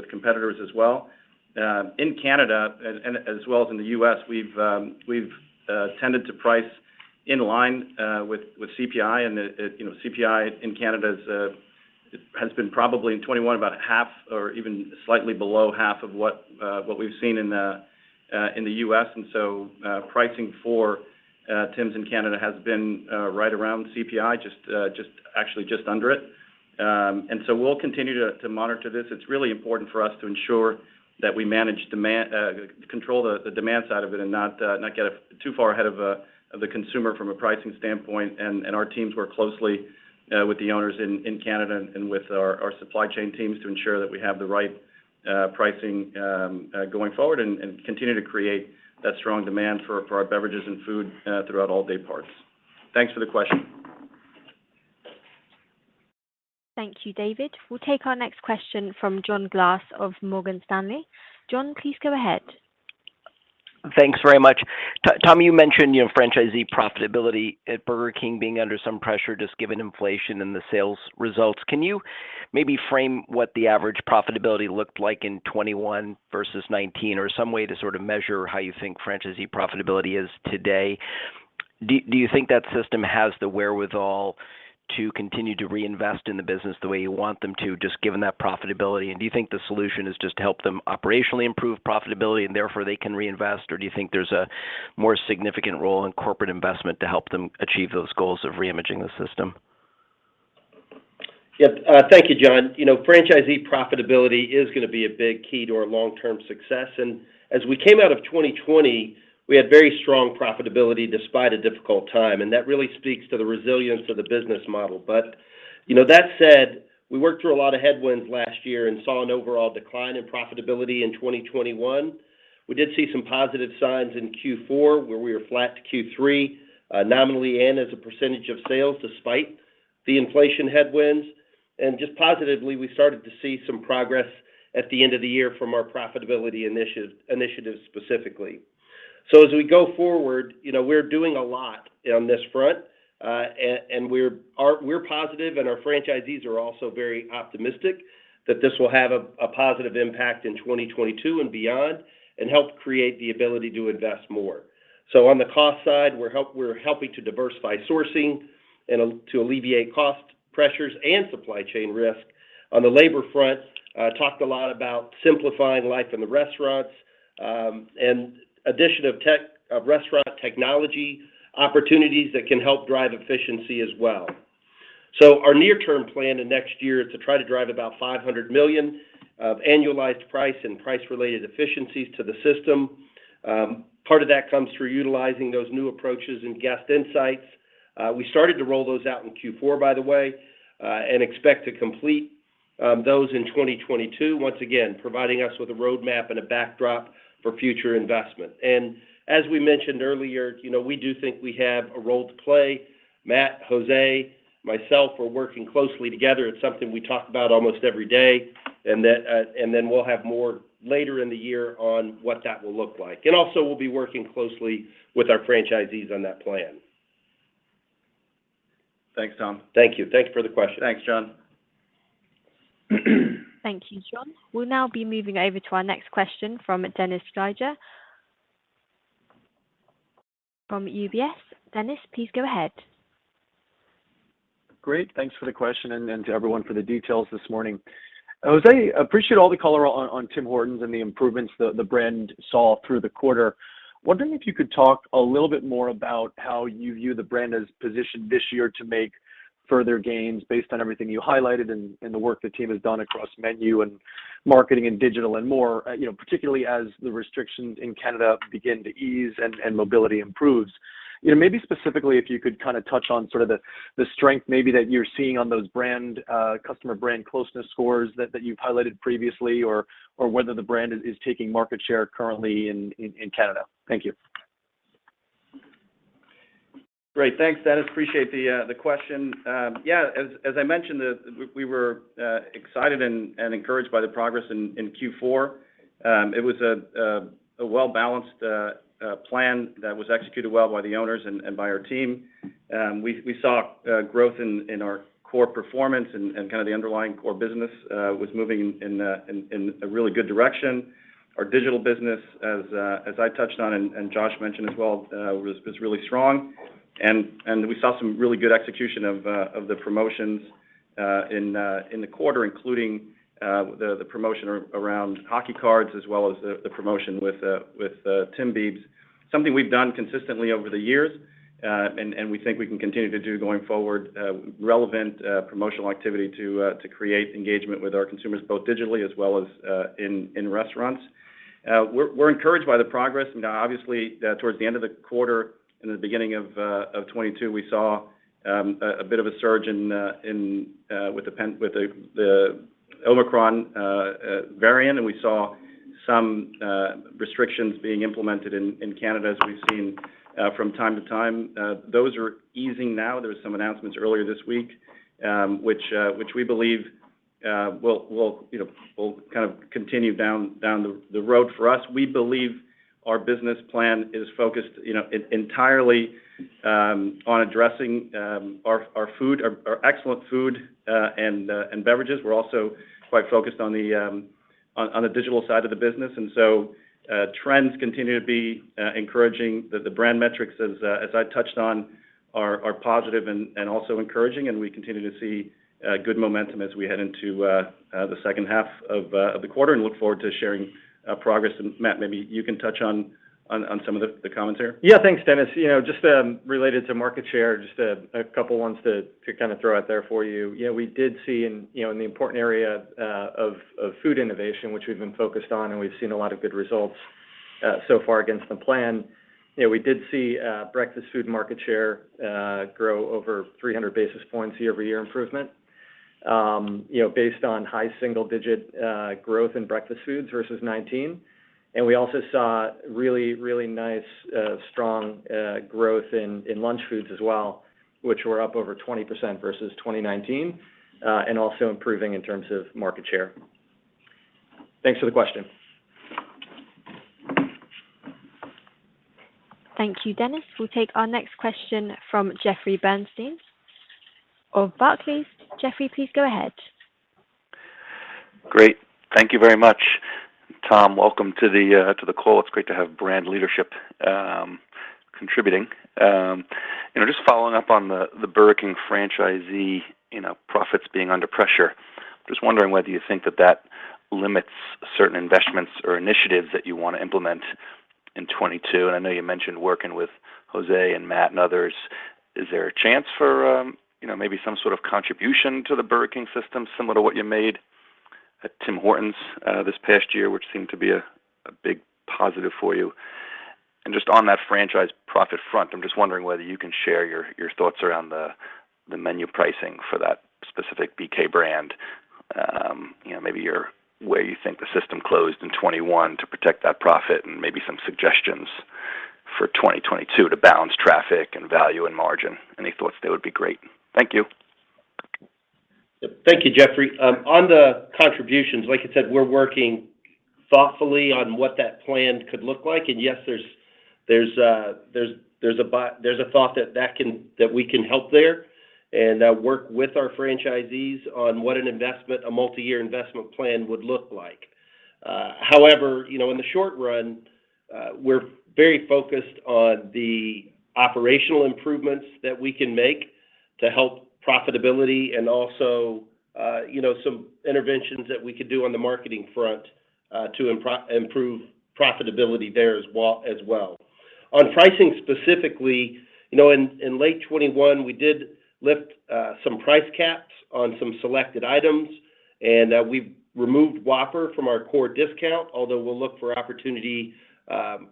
competitors as well. In Canada, and as well as in the U.S., we've tended to price in line with CPI, and you know, CPI in Canada has been probably in 2021 about half or even slightly below half of what we've seen in the U.S. pricing for Tim's in Canada has been right around CPI, actually just under it. We'll continue to monitor this. It's really important for us to ensure that we manage demand, control the demand side of it and not get too far ahead of the consumer from a pricing standpoint. Our teams work closely with the owners in Canada and with our supply chain teams to ensure that we have the right pricing going forward and continue to create that strong demand for our beverages and food throughout all day parts. Thanks for the question. Thank you, David. We'll take our next question from John Glass of Morgan Stanley. John, please go ahead. Thanks very much. Tom, you mentioned, you know, franchisee profitability at Burger King being under some pressure just given inflation and the sales results. Can you maybe frame what the average profitability looked like in 2021 versus 2019, or some way to sort of measure how you think franchisee profitability is today? Do you think that system has the wherewithal to continue to reinvest in the business the way you want them to, just given that profitability? And do you think the solution is just to help them operationally improve profitability and therefore they can reinvest? Or do you think there's a more significant role in corporate investment to help them achieve those goals of reimaging the system? Yeah. Thank you, John. You know, franchisee profitability is gonna be a big key to our long-term success. As we came out of 2020, we had very strong profitability despite a difficult time, and that really speaks to the resilience of the business model. You know, that said, we worked through a lot of headwinds last year and saw an overall decline in profitability in 2021. We did see some positive signs in Q4 where we were flat to Q3, nominally and as a percentage of sales despite the inflation headwinds. Just positively, we started to see some progress at the end of the year from our profitability initiative specifically. As we go forward, you know, we're doing a lot on this front, and we're positive and our franchisees are also very optimistic that this will have a positive impact in 2022 and beyond and help create the ability to invest more. On the cost side, we're helping to diversify sourcing and to alleviate cost pressures and supply chain risk. On the labor front, we've talked a lot about simplifying life in the restaurants, and addition of restaurant technology opportunities that can help drive efficiency as well. Our near-term plan in next year is to try to drive about $500 million of annualized price and price-related efficiencies to the system. Part of that comes through utilizing those new approaches in guest insights. We started to roll those out in Q4, by the way, and expect to complete those in 2022. Once again, providing us with a roadmap and a backdrop for future investment. As we mentioned earlier, you know, we do think we have a role to play. Matt, Josh, myself, we're working closely together. It's something we talk about almost every day, and then we'll have more later in the year on what that will look like. Also, we'll be working closely with our franchisees on that plan. Thanks, Tom. Thank you. Thanks for the question. Thanks, John. Thank you, John. We'll now be moving over to our next question from Dennis Geiger from UBS. Dennis, please go ahead. Great. Thanks for the question and to everyone for the details this morning. José, I appreciate all the color on Tim Hortons and the improvements the brand saw through the quarter. Wondering if you could talk a little bit more about how you view the brand as positioned this year to make further gains based on everything you highlighted and the work the team has done across menu and marketing and digital and more, you know, particularly as the restrictions in Canada begin to ease and mobility improves. You know, maybe specifically if you could kind of touch on sort of the strength maybe that you're seeing on those customer brand closeness scores that you've highlighted previously, or whether the brand is taking market share currently in Canada. Thank you. Great. Thanks, Dennis. Appreciate the question. As I mentioned, we were excited and encouraged by the progress in Q4. It was a well-balanced plan that was executed well by the owners and by our team. We saw growth in our core performance and kind of the underlying core business was moving in a really good direction. Our digital business, as I touched on and Josh mentioned as well, was really strong. We saw some really good execution of the promotions in the quarter, including the promotion around hockey cards, as well as the promotion with Tim Biebs. Something we've done consistently over the years, and we think we can continue to do going forward, relevant promotional activity to create engagement with our consumers, both digitally as well as in restaurants. We're encouraged by the progress. Obviously, towards the end of the quarter and the beginning of 2022, we saw a bit of a surge with the Omicron variant, and we saw some restrictions being implemented in Canada, as we've seen from time to time. Those are easing now. There were some announcements earlier this week, which we believe will, you know, kind of continue down the road for us. We believe our business plan is focused, you know, entirely on addressing our excellent food and beverages. We're also quite focused on the digital side of the business. Trends continue to be encouraging. The brand metrics, as I touched on, are positive and also encouraging, and we continue to see good momentum as we head into the second half of the quarter and look forward to sharing progress. Matt, maybe you can touch on some of the comments there. Yeah, thanks, Dennis. You know, just related to market share, just a couple ones to kind of throw out there for you. You know, we did see in the important area of food innovation, which we've been focused on, and we've seen a lot of good results so far against the plan. You know, we did see breakfast food market share grow over 300 basis points year-over-year improvement, you know, based on high single digit growth in breakfast foods versus 2019. We also saw really nice strong growth in lunch foods as well, which were up over 20% versus 2019, and also improving in terms of market share. Thanks for the question. Thank you, Dennis. We'll take our next question from Jeffrey Bernstein of Barclays. Jeffrey, please go ahead. Great. Thank you very much. Tom, welcome to the call. It's great to have brand leadership contributing. You know, just following up on the Burger King franchisee profits being under pressure. Just wondering whether you think that limits certain investments or initiatives that you wanna implement in 2022. I know you mentioned working with José and Matt and others. Is there a chance for you know, maybe some sort of contribution to the Burger King system, similar to what you made at Tim Hortons this past year, which seemed to be a big positive for you? Just on that franchise profit front, I'm just wondering whether you can share your thoughts around the menu pricing for that specific BK brand. You know, maybe where you think the system closed in 2021 to protect that profit and maybe some suggestions for 2022 to balance traffic and value and margin. Any thoughts there would be great. Thank you. Thank you, Jeffrey. On the contributions, like you said, we're working thoughtfully on what that plan could look like. Yes, there's a thought that we can help there and work with our franchisees on what an investment, a multi-year investment plan would look like. However, you know, in the short run, we're very focused on the operational improvements that we can make to help profitability and also, you know, some interventions that we could do on the marketing front to improve profitability there as well. On pricing specifically, you know, in late 2021, we did lift some price caps on some selected items, and we've removed Whopper from our core discount. Although we'll look for opportunity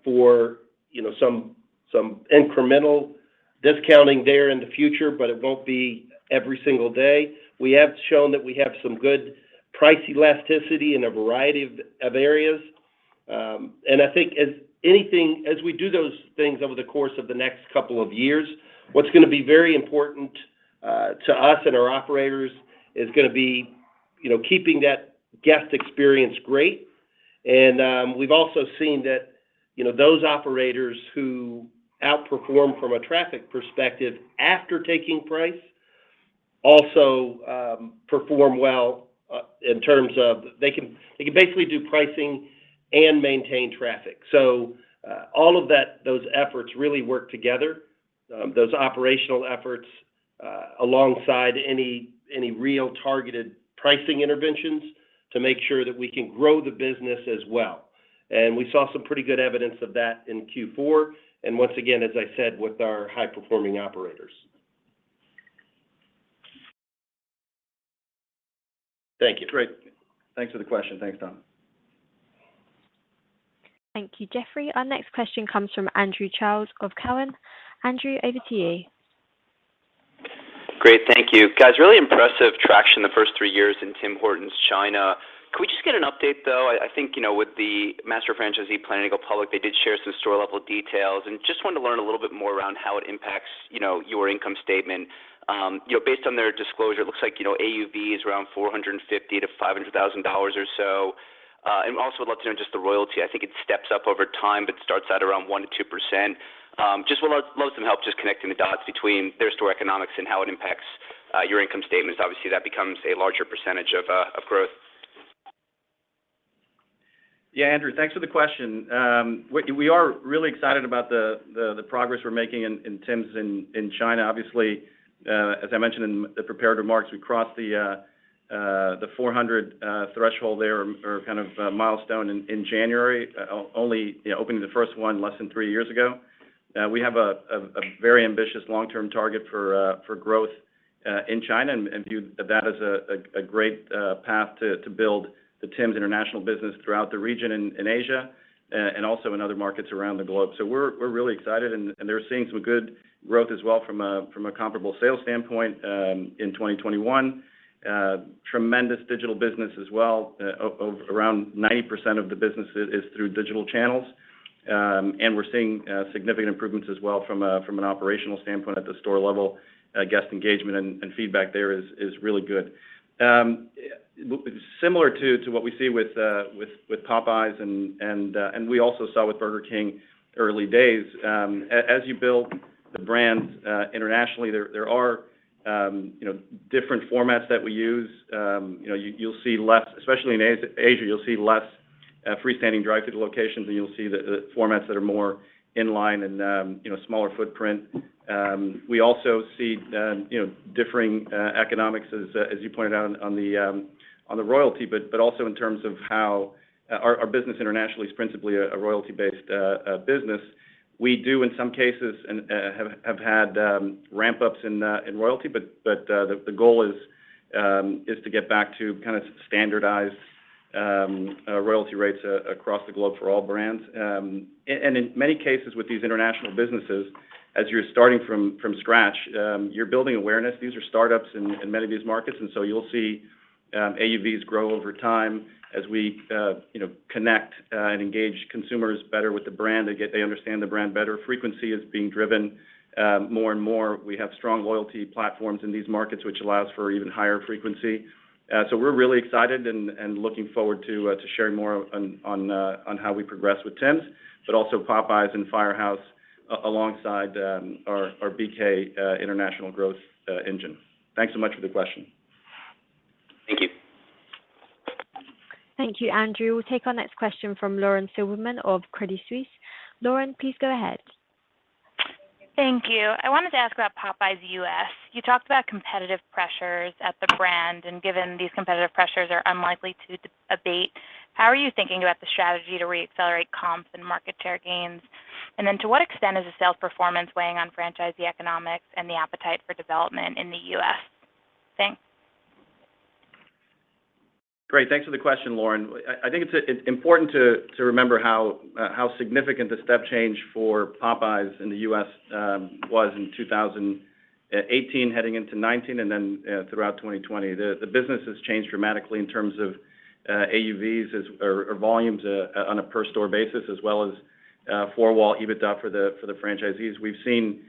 for you know some incremental discounting there in the future, but it won't be every single day. We have shown that we have some good price elasticity in a variety of areas. I think as we do those things over the course of the next couple of years, what's gonna be very important to us and our operators is gonna be you know keeping that guest experience great. We've also seen that you know those operators who outperform from a traffic perspective after taking price also perform well in terms of they can basically do pricing and maintain traffic. All of that, those efforts really work together. Those operational efforts, alongside any real targeted pricing interventions to make sure that we can grow the business as well. We saw some pretty good evidence of that in Q4. Once again, as I said, with our high-performing operators. Thank you. Great. Thanks for the question. Thanks, Tom. Thank you, Jeffrey. Our next question comes from Andrew Charles of Cowen. Andrew, over to you. Great. Thank you. Guys, really impressive traction the first three years in Tim Hortons China. Can we just get an update, though? I think, you know, with the master franchisee planning to go public, they did share some store-level details, and just wanted to learn a little bit more around how it impacts, you know, your income statement. You know, based on their disclosure, it looks like, you know, AUV is around $450,000-$500,000 or so. And also would love to know just the royalty. I think it steps up over time, but starts out around 1%-2%. Just would love some help just connecting the dots between their store economics and how it impacts your income statements. Obviously, that becomes a larger percentage of growth. Yeah, Andrew, thanks for the question. We are really excited about the progress we're making in Tim's in China. Obviously, as I mentioned in the prepared remarks, we crossed the 400 threshold there or kind of milestone in January, only you know opening the first one less than three years ago. We have a very ambitious long-term target for growth in China and view that as a great path to build the Tim's international business throughout the region in Asia and also in other markets around the globe. We're really excited and they're seeing some good growth as well from a comparable sales standpoint in 2021. Tremendous digital business as well. Around 90% of the business is through digital channels. We're seeing significant improvements as well from an operational standpoint at the store level. Guest engagement and feedback there is really good. Similar to what we see with Popeyes and we also saw with Burger King in the early days, as you build the brands internationally, there are you know different formats that we use. You know, you'll see less, especially in Asia, freestanding drive-through locations, and you'll see the formats that are more in line and smaller footprint. We also see you know differing economics as you pointed out on the royalty, but also in terms of how our business internationally is principally a royalty-based business. We do, in some cases, and have had ramp-ups in royalty, but the goal is to get back to kind of standardized royalty rates across the globe for all brands. In many cases with these international businesses, as you're starting from scratch, you're building awareness. These are startups in many of these markets, and so you'll see AUVs grow over time as we you know connect and engage consumers better with the brand. They understand the brand better. Frequency is being driven more and more. We have strong loyalty platforms in these markets, which allows for even higher frequency. We're really excited and looking forward to sharing more on how we progress with Tim's, but also Popeyes and Firehouse alongside our BK international growth engine. Thanks so much for the question. Thank you. Thank you, Andrew. We'll take our next question from Lauren Silberman of Credit Suisse. Lauren, please go ahead. Thank you. I wanted to ask about Popeyes U.S. You talked about competitive pressures at the brand, and given these competitive pressures are unlikely to abate, how are you thinking about the strategy to reaccelerate comps and market share gains? To what extent is the sales performance weighing on franchisee economics and the appetite for development in the U.S.? Thanks. Great. Thanks for the question, Lauren. I think it's important to remember how significant the step change for Popeyes in the U.S. was in 2018 heading into 2019 and then throughout 2020. The business has changed dramatically in terms of AUVs or volumes on a per store basis as well as four-wall EBITDA for the franchisees. We've seen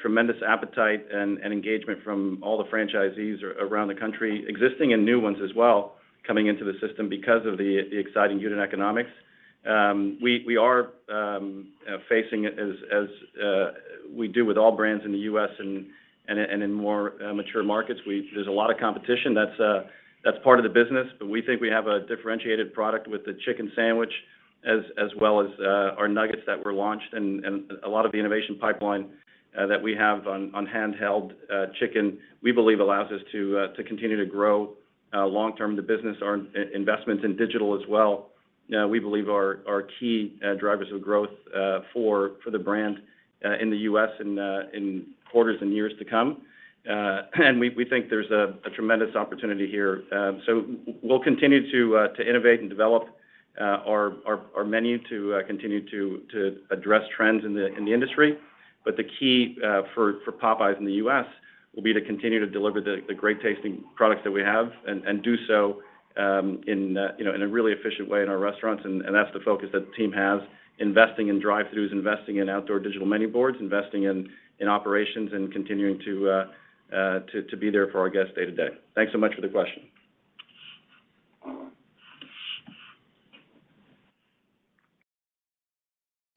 tremendous appetite and engagement from all the franchisees around the country, existing and new ones as well coming into the system because of the exciting unit economics. We are facing as we do with all brands in the U.S. and in more mature markets, there's a lot of competition. That's part of the business. We think we have a differentiated product with the chicken sandwich as well as our nuggets that were launched and a lot of the innovation pipeline that we have on handheld chicken we believe allows us to continue to grow long-term the business. Our investments in digital as well we believe are key drivers of growth for the brand in the U.S. in quarters and years to come. We think there's a tremendous opportunity here. We'll continue to innovate and develop our menu to continue to address trends in the industry. The key for Popeyes in the U.S. will be to continue to deliver the great-tasting products that we have and do so in, you know, in a really efficient way in our restaurants, and that's the focus that the team has, investing in drive-throughs, investing in outdoor digital menu boards, investing in operations, and continuing to be there for our guests day to day. Thanks so much for the question.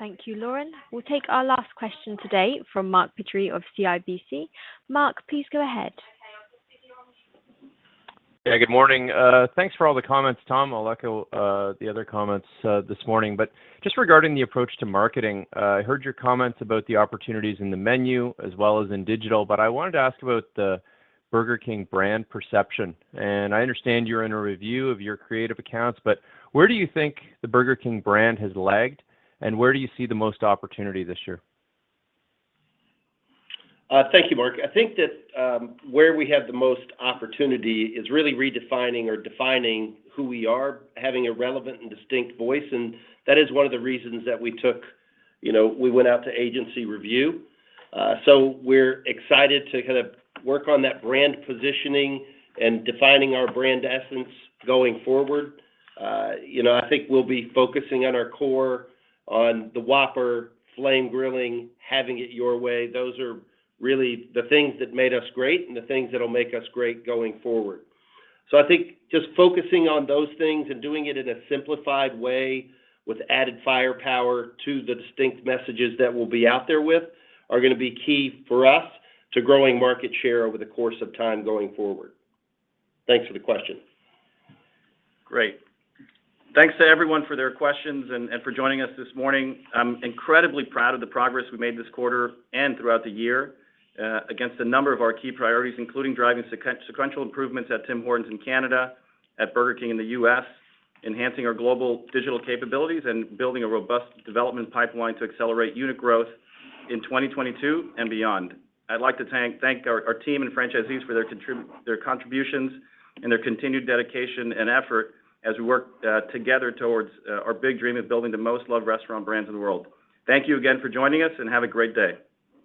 Thank you, Lauren. We'll take our last question today from Mark Petrie of CIBC. Mark, please go ahead. Yeah, good morning. Thanks for all the comments, Tom. I'll echo the other comments this morning. Just regarding the approach to marketing, I heard your comments about the opportunities in the menu as well as in digital, but I wanted to ask about the Burger King brand perception. I understand you're in a review of your creative accounts, but where do you think the Burger King brand has lagged, and where do you see the most opportunity this year? Thank you, Mark. I think that where we have the most opportunity is really redefining or defining who we are, having a relevant and distinct voice, and that is one of the reasons that we took, you know, we went out to agency review. We're excited to kind of work on that brand positioning and defining our brand essence going forward. You know, I think we'll be focusing on our core on the Whopper, flame grilling, Having It Your Way. Those are really the things that made us great and the things that'll make us great going forward. I think just focusing on those things and doing it in a simplified way with added firepower to the distinct messages that we'll be out there with are gonna be key for us to growing market share over the course of time going forward. Thanks for the question. Great. Thanks to everyone for their questions and for joining us this morning. I'm incredibly proud of the progress we made this quarter and throughout the year against a number of our key priorities, including driving sequential improvements at Tim Hortons in Canada, at Burger King in the U.S., enhancing our global digital capabilities, and building a robust development pipeline to accelerate unit growth in 2022 and beyond. I'd like to thank our team and franchisees for their contributions and their continued dedication and effort as we work together towards our big dream of building the most loved restaurant brands in the world. Thank you again for joining us, and have a great day.